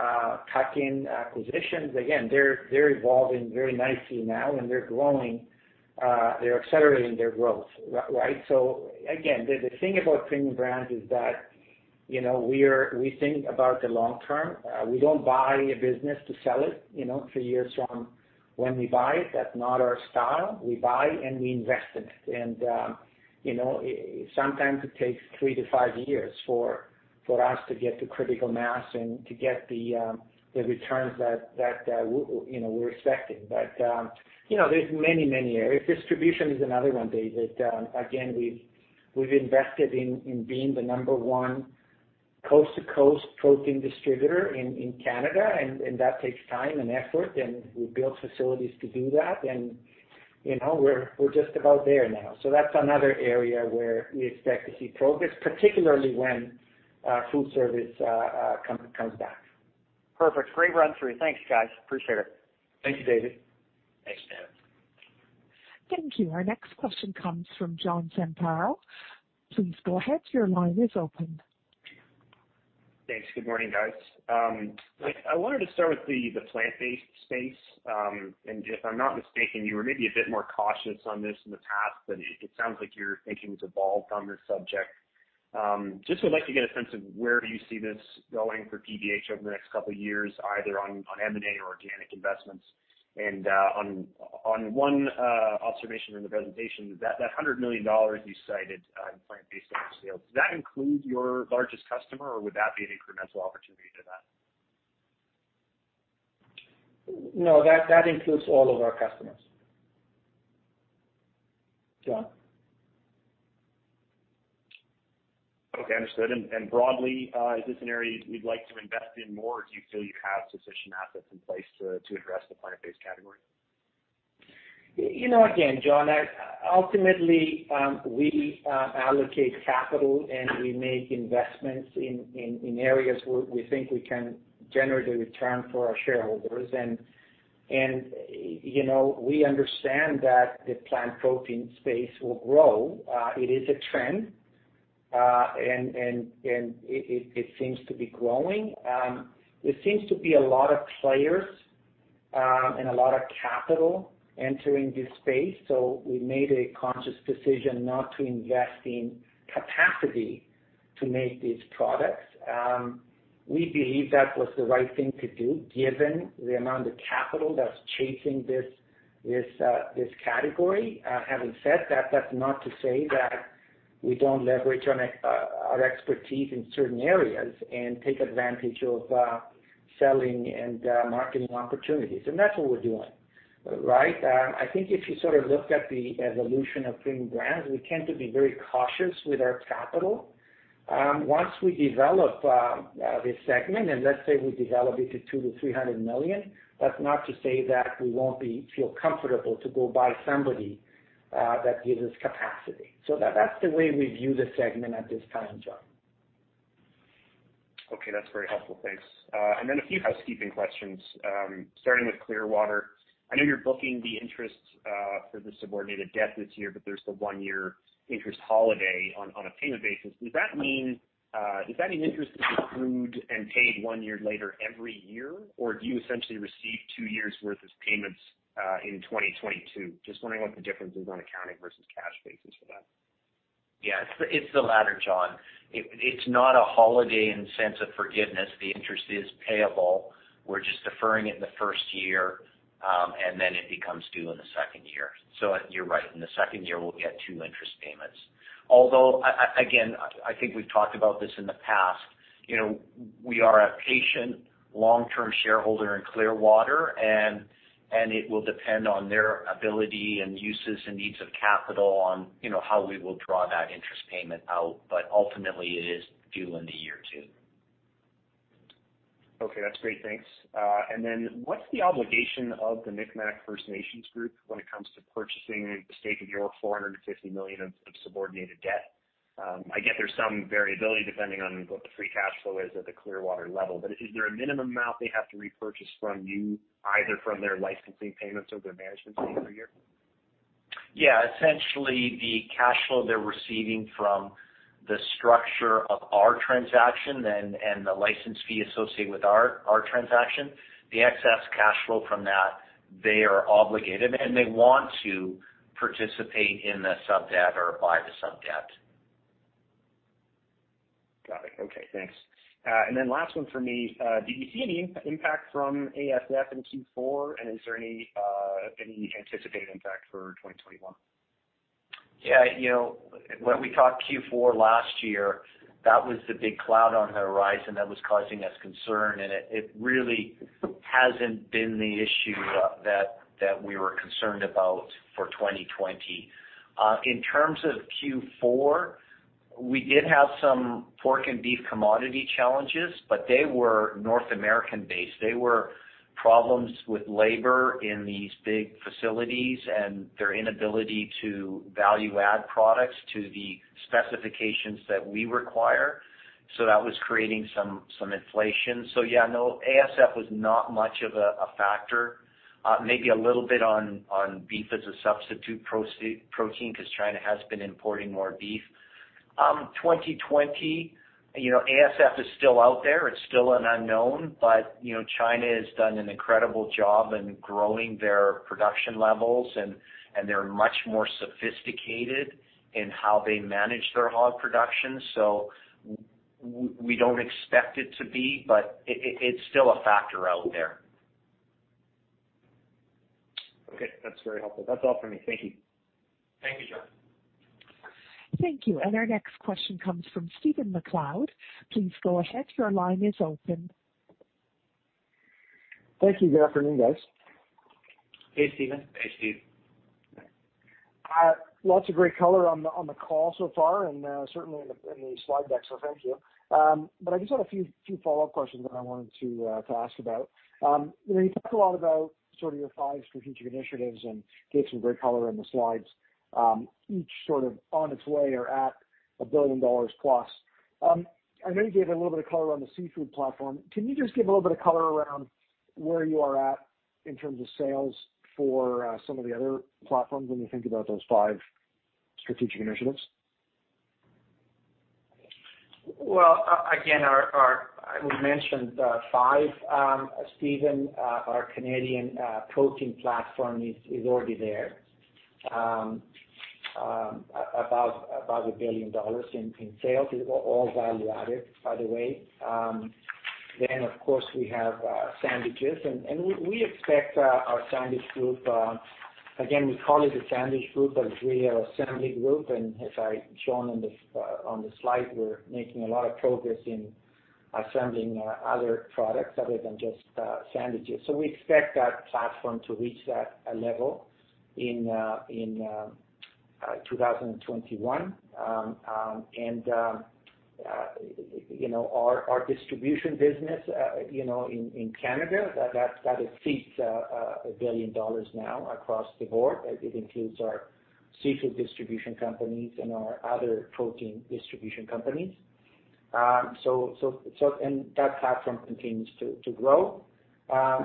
tuck-in acquisitions. Again, they're evolving very nicely now and they're accelerating their growth. Again, the thing about Premium Brands is that we think about the long term. We don't buy a business to sell it three years from when we buy it. That's not our style. We buy and we invest in it. Sometimes it takes three to five years for us to get to critical mass and to get the returns that we're expecting. There's many areas. Distribution is another one, David. Again, we've invested in being the number one coast-to-coast protein distributor in Canada, and that takes time and effort, and we built facilities to do that. We're just about there now. That's another area where we expect to see progress, particularly when food service comes back. Perfect. Great run through. Thanks, guys. Appreciate it. Thank you, David. Thanks, David. Thank you. Our next question comes from John Zamparo. Please go ahead. Your line is open. Thanks. Good morning, guys. I wanted to start with the plant-based space. If I'm not mistaken, you were maybe a bit more cautious on this in the past, but it sounds like your thinking has evolved on this subject. Just would like to get a sense of where do you see this going for PBH over the next couple of years, either on M&A or organic investments. On one observation in the presentation, that 100 million dollars you cited on plant-based sales, does that include your largest customer or would that be an incremental opportunity to that? No, that includes all of our customers. John? Okay, understood. Broadly, is this an area you'd like to invest in more or do you feel you have sufficient assets in place to address the plant-based category? Again, John, ultimately, we allocate capital and we make investments in areas where we think we can generate a return for our shareholders. We understand that the plant protein space will grow. It is a trend, and it seems to be growing. There seems to be a lot of players and a lot of capital entering this space. We made a conscious decision not to invest in capacity to make these products. We believe that was the right thing to do given the amount of capital that's chasing this category. Having said that's not to say that we don't leverage on our expertise in certain areas and take advantage of selling and marketing opportunities. That's what we're doing. I think if you sort of look at the evolution of Premium Brands, we tend to be very cautious with our capital. Once we develop this segment, let's say we develop it to 200 million-300 million, that's not to say that we won't feel comfortable to go buy somebody that gives us capacity. That's the way we view the segment at this time, John. Okay, that's very helpful. Thanks. Then a few housekeeping questions, starting with Clearwater. I know you're booking the interest for the subordinated debt this year, there's the one-year interest holiday on a payment basis. Does that mean interest is accrued and paid one year later every year, do you essentially receive two years' worth of payments in 2022? Just wondering what the difference is on accounting versus cash basis for that. Yeah. It's the latter, John. It's not a holiday in the sense of forgiveness. The interest is payable. We're just deferring it in the first year, and then it becomes due in the second year. You're right. In the second year, we'll get two interest payments. Again, I think we've talked about this in the past. We are a patient long-term shareholder in Clearwater, and it will depend on their ability and uses and needs of capital on how we will draw that interest payment out. Ultimately it is due in the year two. Okay, that's great. Thanks. What's the obligation of the Mi'kmaq First Nations group when it comes to purchasing the stake of your 450 million of subordinated debt? I get there's some variability depending on what the free cash flow is at the Clearwater level. Is there a minimum amount they have to repurchase from you, either from their licensing payments or their management fee per year? Essentially, the cash flow they're receiving from the structure of our transaction and the license fee associated with our transaction, the excess cash flow from that, they are obligated and they want to participate in the sub-debt or buy the sub-debt. Got it. Okay, thanks. Last one for me. Did you see any impact from ASF in Q4? Is there any anticipated impact for 2021? Yeah. When we talked Q4 last year, that was the big cloud on the horizon that was causing us concern, and it really hasn't been the issue that we were concerned about for 2020. In terms of Q4, we did have some pork and beef commodity challenges. They were North American based. They were problems with labor in these big facilities and their inability to value add products to the specifications that we require. That was creating some inflation. Yeah, no, ASF was not much of a factor. Maybe a little bit on beef as a substitute protein, because China has been importing more beef. 2020, ASF is still out there. It's still an unknown. China has done an incredible job in growing their production levels, and they're much more sophisticated in how they manage their hog production. We don't expect it to be, but it's still a factor out there. Okay. That's very helpful. That's all for me. Thank you. Thank you, John. Thank you. Our next question comes from Stephen MacLeod. Please go ahead. Your line is open. Thank you. Good afternoon, guys. Hey, Stephen. Hey, Steve. Lots of great color on the call so far, and certainly in the slide deck, so thank you. I just had a few follow-up questions that I wanted to ask about. You talked a lot about your five strategic initiatives and gave some great color on the slides, each sort of on its way or at 1 billion dollars plus. I know you gave a little bit of color on the seafood platform. Can you just give a little bit of color around where you are at in terms of sales for some of the other platforms when you think about those five strategic initiatives? Well, again, we mentioned five, Stephen. Our Canadian protein platform is already there, above 1 billion dollars in sales. All value added, by the way. Of course, we have sandwiches, and we expect our sandwich group, again, we call it a sandwich group, but it's really our assembly group. As I've shown on the slide, we're making a lot of progress in assembling other products other than just sandwiches. We expect that platform to reach that level in 2021. Our distribution business in Canada, that exceeds 1 billion dollars now across the board. It includes our seafood distribution companies and our other protein distribution companies. That platform continues to grow.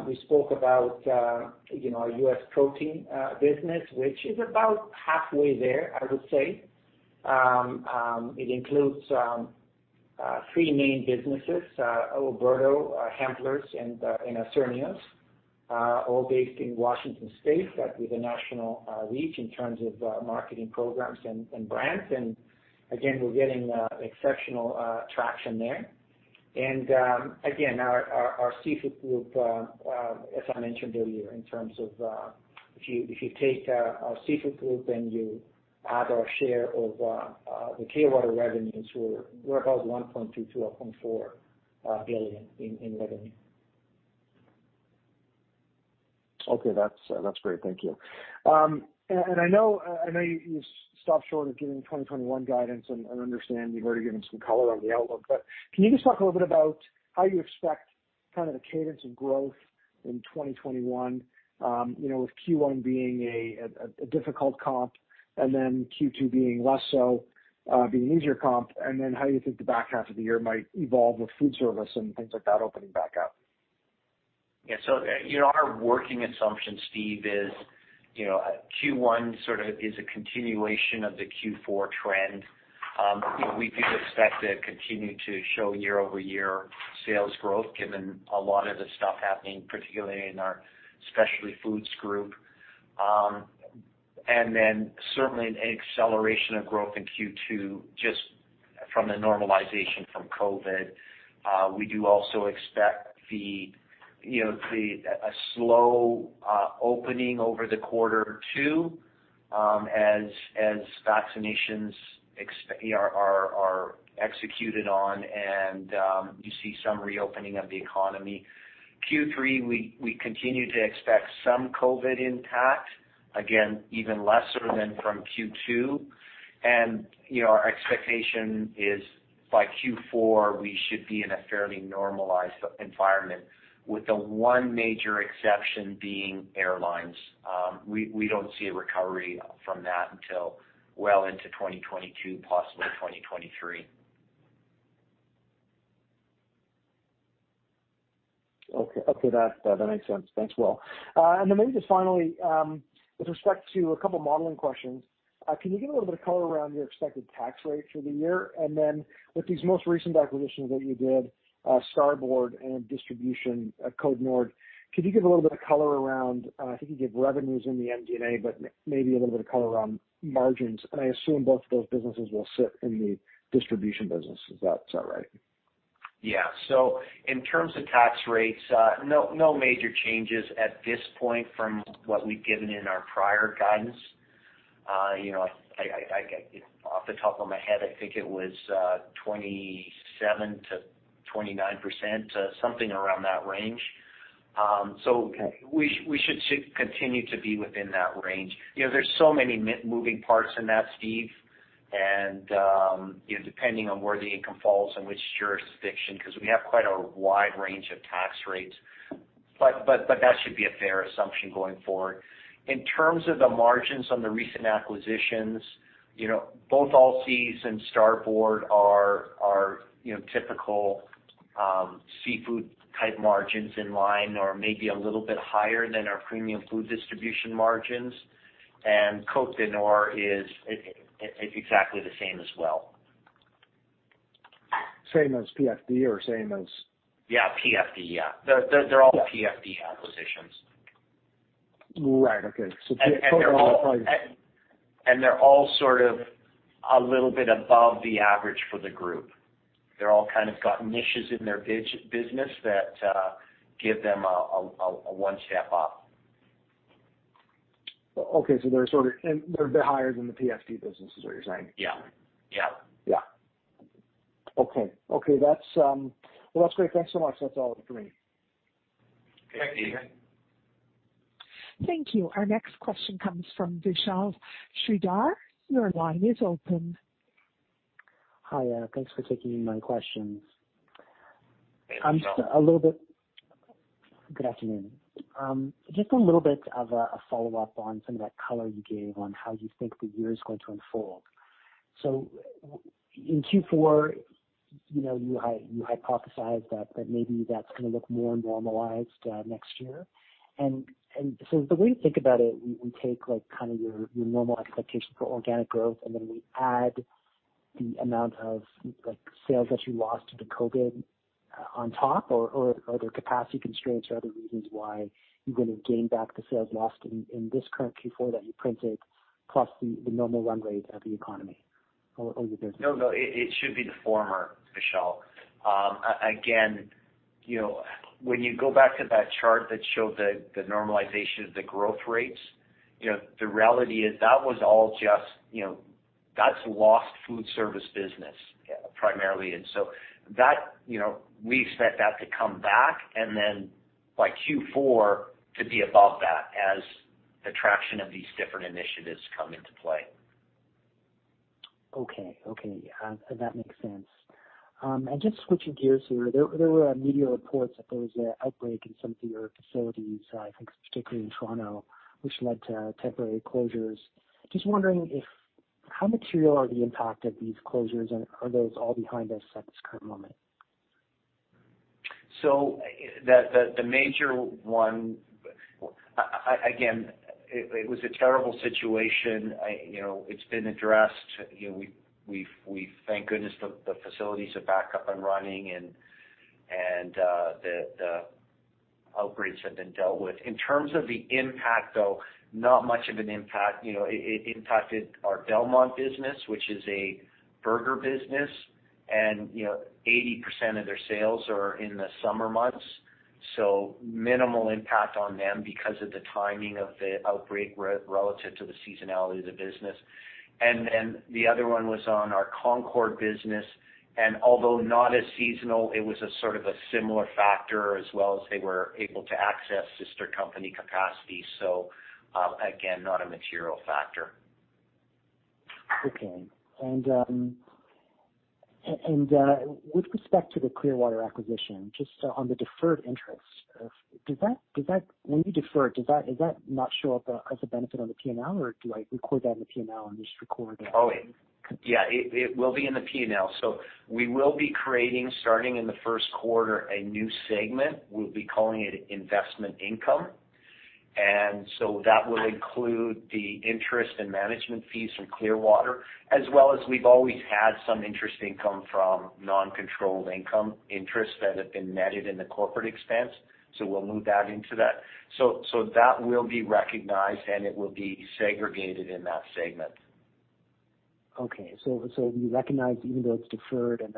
We spoke about our U.S. protein business, which is about halfway there, I would say. It includes three main businesses, Oberto, Hempler's, and Isernio's, all based in Washington State with a national reach in terms of marketing programs and brands. Again, we're getting exceptional traction there. Again, our seafood group, as I mentioned earlier, in terms of if you take our seafood group and you add our share of the Clearwater revenues, we're about 1.2 billion-1.4 billion in revenue. Okay, that's great. Thank you. I know you stopped short of giving 2021 guidance and understand you've already given some color on the outlook, but can you just talk a little bit about how you expect kind of the cadence of growth in 2021, with Q1 being a difficult comp and then Q2 being less so, being an easier comp, and then how you think the back half of the year might evolve with food service and things like that opening back up? Yeah. Our working assumption, Steve, is Q1 sort of is a continuation of the Q4 trend. We do expect to continue to show year-over-year sales growth given a lot of the stuff happening, particularly in our Specialty Foods group. Certainly an acceleration of growth in Q2 just from the normalization from COVID. We do also expect a slow opening over the quarter, too, as vaccinations are executed on and you see some reopening of the economy. Q3, we continue to expect some COVID impact, again, even lesser than from Q2. Our expectation is by Q4, we should be in a fairly normalized environment with the one major exception being airlines. We don't see a recovery from that until well into 2022, possibly 2023. Okay. That makes sense. Thanks, Will. Maybe just finally, with respect to a couple modeling questions, can you give a little bit of color around your expected tax rate for the year? With these most recent acquisitions that you did, Starboard and Distribution Côte-Nord, could you give a little bit of color around, I think you gave revenues in the MD&A, but maybe a little bit of color around margins? I assume both of those businesses will sit in the distribution business. Is that right? Yeah. In terms of tax rates, no major changes at this point from what we've given in our prior guidance. Off the top of my head, I think it was 27%-29%, something around that range. We should continue to be within that range. There's so many moving parts in that, Steve, and depending on where the income falls, in which jurisdiction, because we have quite a wide range of tax rates. That should be a fair assumption going forward. In terms of the margins on the recent acquisitions, both Allseas and Starboard are typical seafood type margins in line or maybe a little bit higher than our Premium Food Distribution margins, and Distribution Côte-Nord is exactly the same as well. Same as PFD or same as? Yeah, PFD. Yeah. They're all PFD acquisitions. Right. Okay. They're all sort of a little bit above the average for the group. They've all kind of got niches in their business that give them one step up. Okay. They're a bit higher than the PFD business, is what you're saying? Yeah. Yeah. Okay. Well, that's great. Thanks so much. That's all for me. Thank you. Thank you. Our next question comes from Vishal Shreedhar. Your line is open. Hi. Thanks for taking my questions. Hey, Vishal. Good afternoon. Just a little bit of a follow-up on some of that color you gave on how you think the year is going to unfold. In Q4, you hypothesized that maybe that's going to look more normalized next year. The way to think about it, we take your normal expectations for organic growth, and then we add the amount of sales that you lost to the COVID on top, or are there capacity constraints or other reasons why you're going to gain back the sales lost in this current Q4 that you printed, plus the normal run rate of the economy or your business? No, it should be the former, Vishal. When you go back to that chart that showed the normalization of the growth rates, the reality is that's lost food service business primarily. We expect that to come back and then by Q4 to be above that as the traction of these different initiatives come into play. Okay. Yeah. That makes sense. Just switching gears here, there were media reports that there was an outbreak in some of your facilities, I think particularly in Toronto, which led to temporary closures. Just wondering how material are the impact of these closures, and are those all behind us at this current moment? The major one, again, it was a terrible situation. It's been addressed. Thank goodness the facilities are back up and running and the outbreaks have been dealt with. In terms of the impact, though, not much of an impact. It impacted our Belmont business, which is a burger business, and 80% of their sales are in the summer months, so minimal impact on them because of the timing of the outbreak relative to the seasonality of the business. The other one was on our Concord business, and although not as seasonal, it was a sort of a similar factor as well as they were able to access sister company capacity. Again, not a material factor. Okay. With respect to the Clearwater acquisition, just on the deferred interest, when you defer it, does that not show up as a benefit on the P&L, or do I record that in the P&L and just record? Yeah, it will be in the P&L. We will be creating, starting in the first quarter, a new segment. We'll be calling it Investment Income. That will include the interest and management fees from Clearwater, as well as we've always had some interest income from non-controlled income interests that have been netted in the corporate expense. We'll move that into that. That will be recognized, and it will be segregated in that segment. Okay. You recognize even though it's deferred in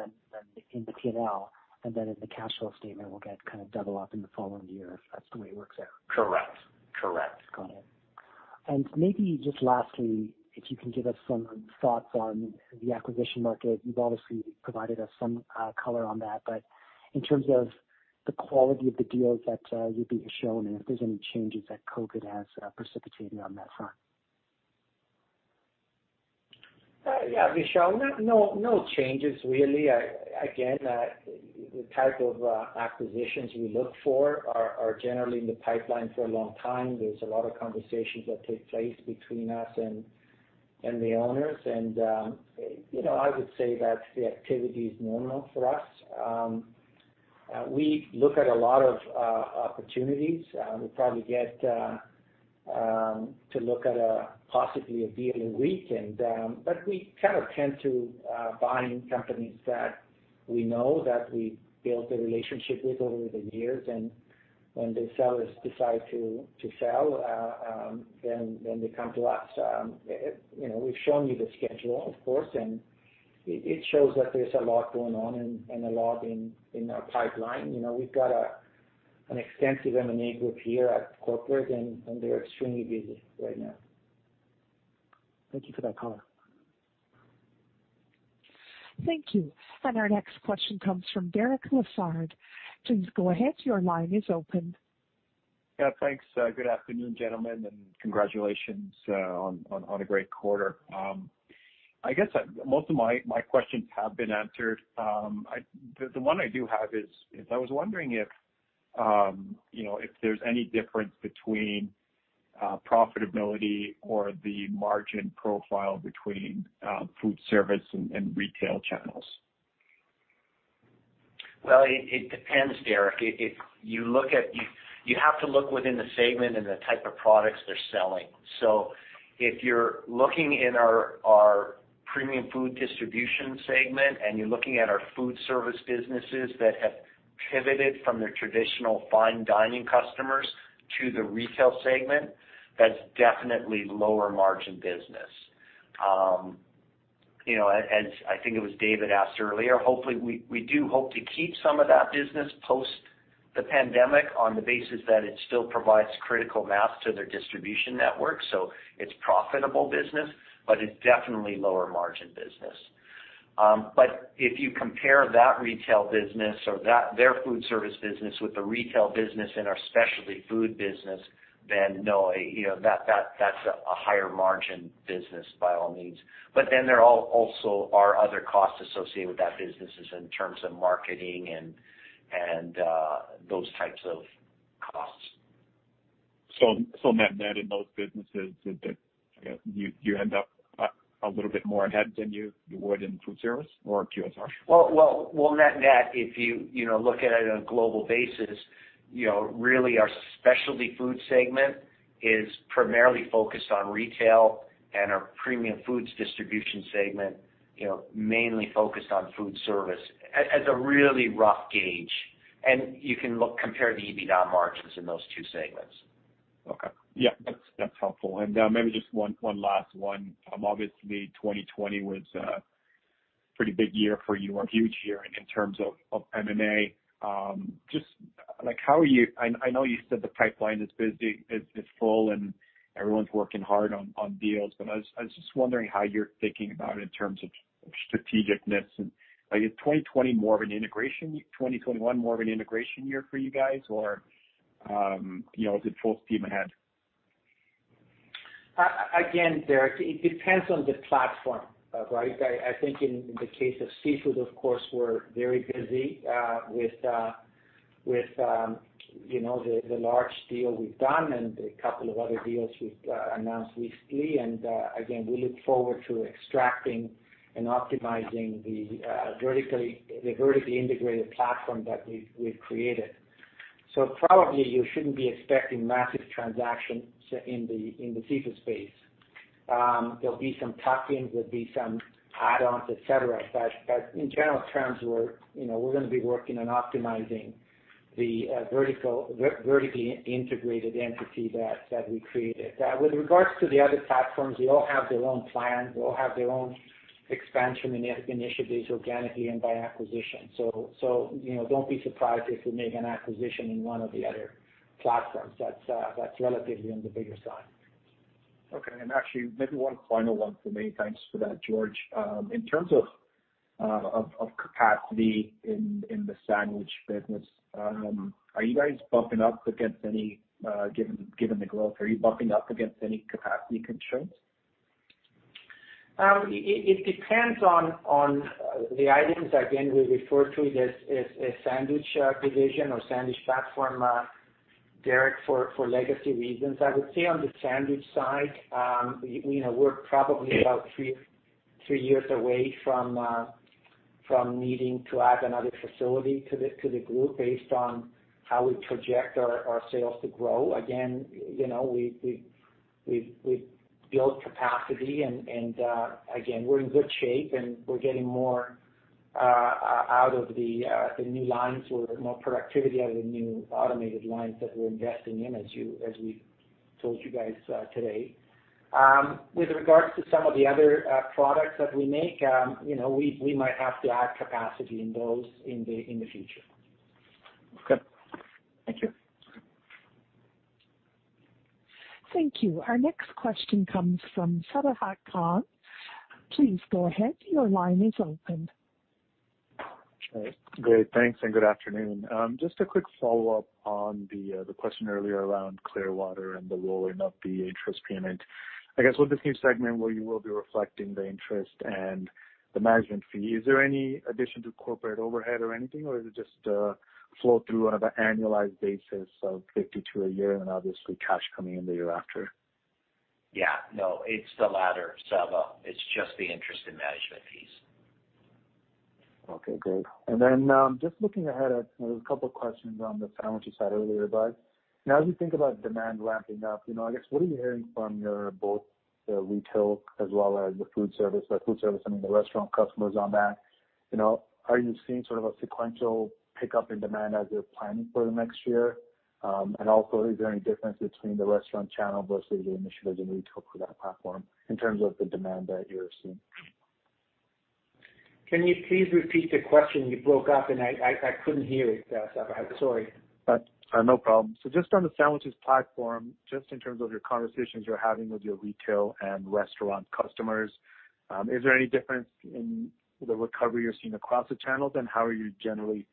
the P&L, and then in the cash flow statement, will get kind of double up in the following year, if that's the way it works out. Correct. Got it. Maybe just lastly, if you can give us some thoughts on the acquisition market. You've obviously provided us some color on that, but in terms of the quality of the deals that you've been shown and if there's any changes that COVID has precipitated on that front. Yeah, Vishal, no changes really. Again, the type of acquisitions we look for are generally in the pipeline for a long time. There's a lot of conversations that take place between us and the owners, and I would say that the activity is normal for us. We look at a lot of opportunities. We probably get to look at possibly a deal a week, but we kind of tend to buying companies that we know, that we built a relationship with over the years. When the sellers decide to sell, they come to us. We've shown you the schedule, of course, and it shows that there's a lot going on and a lot in our pipeline. We've got an extensive M&A group here at corporate, and they're extremely busy right now. Thank you for that color. Thank you. Our next question comes from Derek Lessard. Please go ahead. Your line is open. Yeah, thanks. Good afternoon, gentlemen, and congratulations on a great quarter. I guess most of my questions have been answered. The one I do have is, I was wondering if there's any difference between profitability or the margin profile between food service and retail channels. Well, it depends, Derek. You have to look within the segment and the type of products they're selling. If you're looking in our Premium Food Distribution segment and you're looking at our food service businesses that have pivoted from their traditional fine dining customers to the retail segment, that's definitely lower margin business. As, I think it was David asked earlier, we do hope to keep some of that business post the pandemic on the basis that it still provides critical mass to their distribution network. It's profitable business, it's definitely lower margin business. If you compare that retail business or their food service business with the retail business in our specialty food business, no, that's a higher margin business by all means. There also are other costs associated with that business in terms of marketing and those types of costs. Net net in those businesses, you end up a little bit more ahead than you would in food service or QSR? Well, net net, if you look at it on a global basis, really our Specialty Food segment is primarily focused on retail and our Premium Food Distribution segment mainly focused on food service, as a really rough gauge. You can compare the EBITDA margins in those two segments. Okay. Yeah, that's helpful. Maybe just one last one. Obviously, 2020 was a pretty big year for you, or huge year in terms of M&A. I know you said the pipeline is busy, is full, and everyone's working hard on deals, but I was just wondering how you're thinking about it in terms of strategic-ness, and is 2021 more of an integration year for you guys or is it full steam ahead? Derek, it depends on the platform, right? I think in the case of seafood, of course, we're very busy with the large deal we've done and a couple of other deals we've announced recently. We look forward to extracting and optimizing the vertically integrated platform that we've created. Probably you shouldn't be expecting massive transactions in the seafood space. There'll be some tuck-ins, there'll be some add-ons, et cetera, in general terms, we're going to be working on optimizing the vertically integrated entity that we created. With regards to the other platforms, they all have their own plans, they all have their own expansion initiatives organically and by acquisition. Don't be surprised if we make an acquisition in one of the other platforms that's relatively on the bigger side. Okay. Actually maybe one final one for me. Thanks for that, George. In terms of capacity in the sandwich business, are you guys bumping up against any, given the growth, are you bumping up against any capacity constraints? It depends on the items. Again, we refer to it as a sandwich division or sandwich platform, Derek, for legacy reasons. I would say on the sandwich side, we're probably about three years away from needing to add another facility to the group based on how we project our sales to grow. Again, we've built capacity and, again, we're in good shape and we're getting more out of the new lines, more productivity out of the new automated lines that we're investing in, as we've told you guys today. With regards to some of the other products that we make, we might have to add capacity in those in the future. Okay. Thank you. Thank you. Our next question comes from Sabahat Khan. Please go ahead. Great. Thanks, good afternoon. Just a quick follow-up on the question earlier around Clearwater and the rolling of the interest payment. I guess with this new segment where you will be reflecting the interest and the management fee, is there any addition to corporate overhead or anything or is it just a flow through on an annualized basis of 52 a year and obviously cash coming in the year after? Yeah, no, it's the latter, Saba. It's just the interest and management fees. Okay, great. Just looking ahead, I have a couple questions on the sandwich you said earlier. As you think about demand ramping up, I guess, what are you hearing from both the retail as well as the food service, by food service I mean the restaurant customers on that? Are you seeing sort of a sequential pickup in demand as you're planning for the next year? Is there any difference between the restaurant channel versus the initiatives in retail for that platform in terms of the demand that you're seeing? Can you please repeat the question? You broke up and I couldn't hear it, Sabahat. Sorry. No problem. Just on the sandwiches platform, just in terms of your conversations you're having with your retail and restaurant customers, is there any difference in the recovery you're seeing across the channels? How are you generally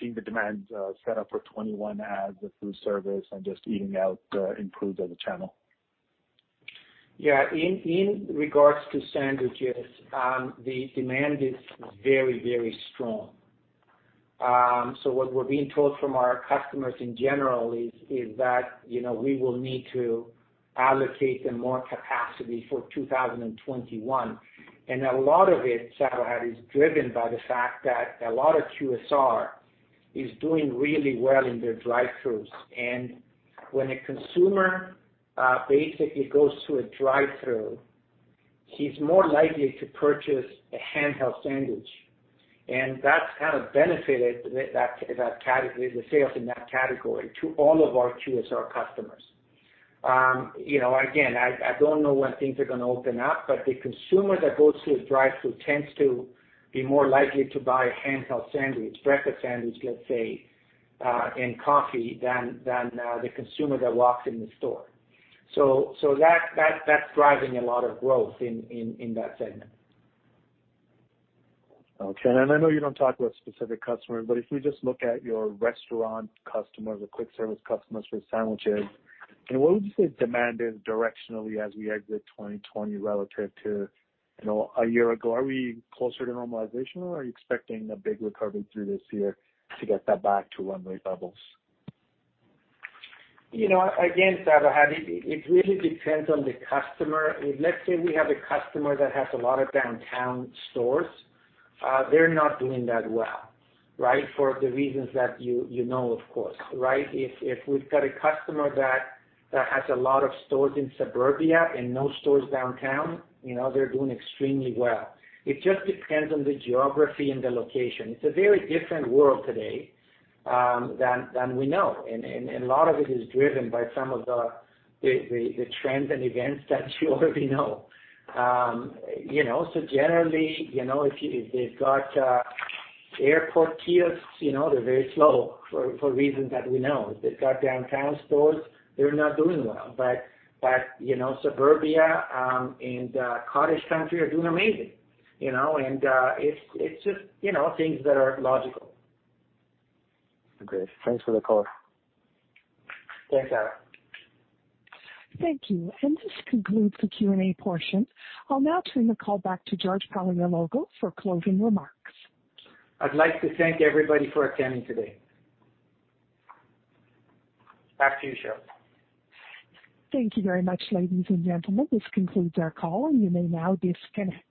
seeing the demand set up for 2021 as the food service and just eating out improves as a channel? Yeah. In regards to sandwiches, the demand is very, very strong. What we're being told from our customers in general is that we will need to allocate them more capacity for 2021. A lot of it, Sabahat, is driven by the fact that a lot of QSR is doing really well in their drive-throughs. When a consumer basically goes to a drive-through, he's more likely to purchase a handheld sandwich. That's kind of benefited the sales in that category to all of our QSR customers. Again, I don't know when things are going to open up, but the consumer that goes to a drive-through tends to be more likely to buy a handheld sandwich, breakfast sandwich, let's say, and coffee, than the consumer that walks in the store. That's driving a lot of growth in that segment. Okay. I know you don't talk about specific customers. If we just look at your restaurant customers or quick service customers for sandwiches, what would you say demand is directionally as we exit 2020 relative to a year ago? Are we closer to normalization or are you expecting a big recovery through this year to get that back to runway levels? Again, Sabahat, it really depends on the customer. Let's say we have a customer that has a lot of downtown stores. They're not doing that well, right? For the reasons that you know, of course. If we've got a customer that has a lot of stores in suburbia and no stores downtown, they're doing extremely well. It just depends on the geography and the location. It's a very different world today than we know, and a lot of it is driven by some of the trends and events that you already know. Generally, if they've got airport kiosks, they're very slow for reasons that we know. If they've got downtown stores, they're not doing well. Suburbia and cottage country are doing amazing. It's just things that are logical. Okay. Thanks for the color. Thanks, Sabahat. Thank you. This concludes the Q&A portion. I'll now turn the call back to George Paleologou for closing remarks. I'd like to thank everybody for attending today. Back to you, Cheryl. Thank you very much, ladies and gentlemen. This concludes our call. You may now disconnect.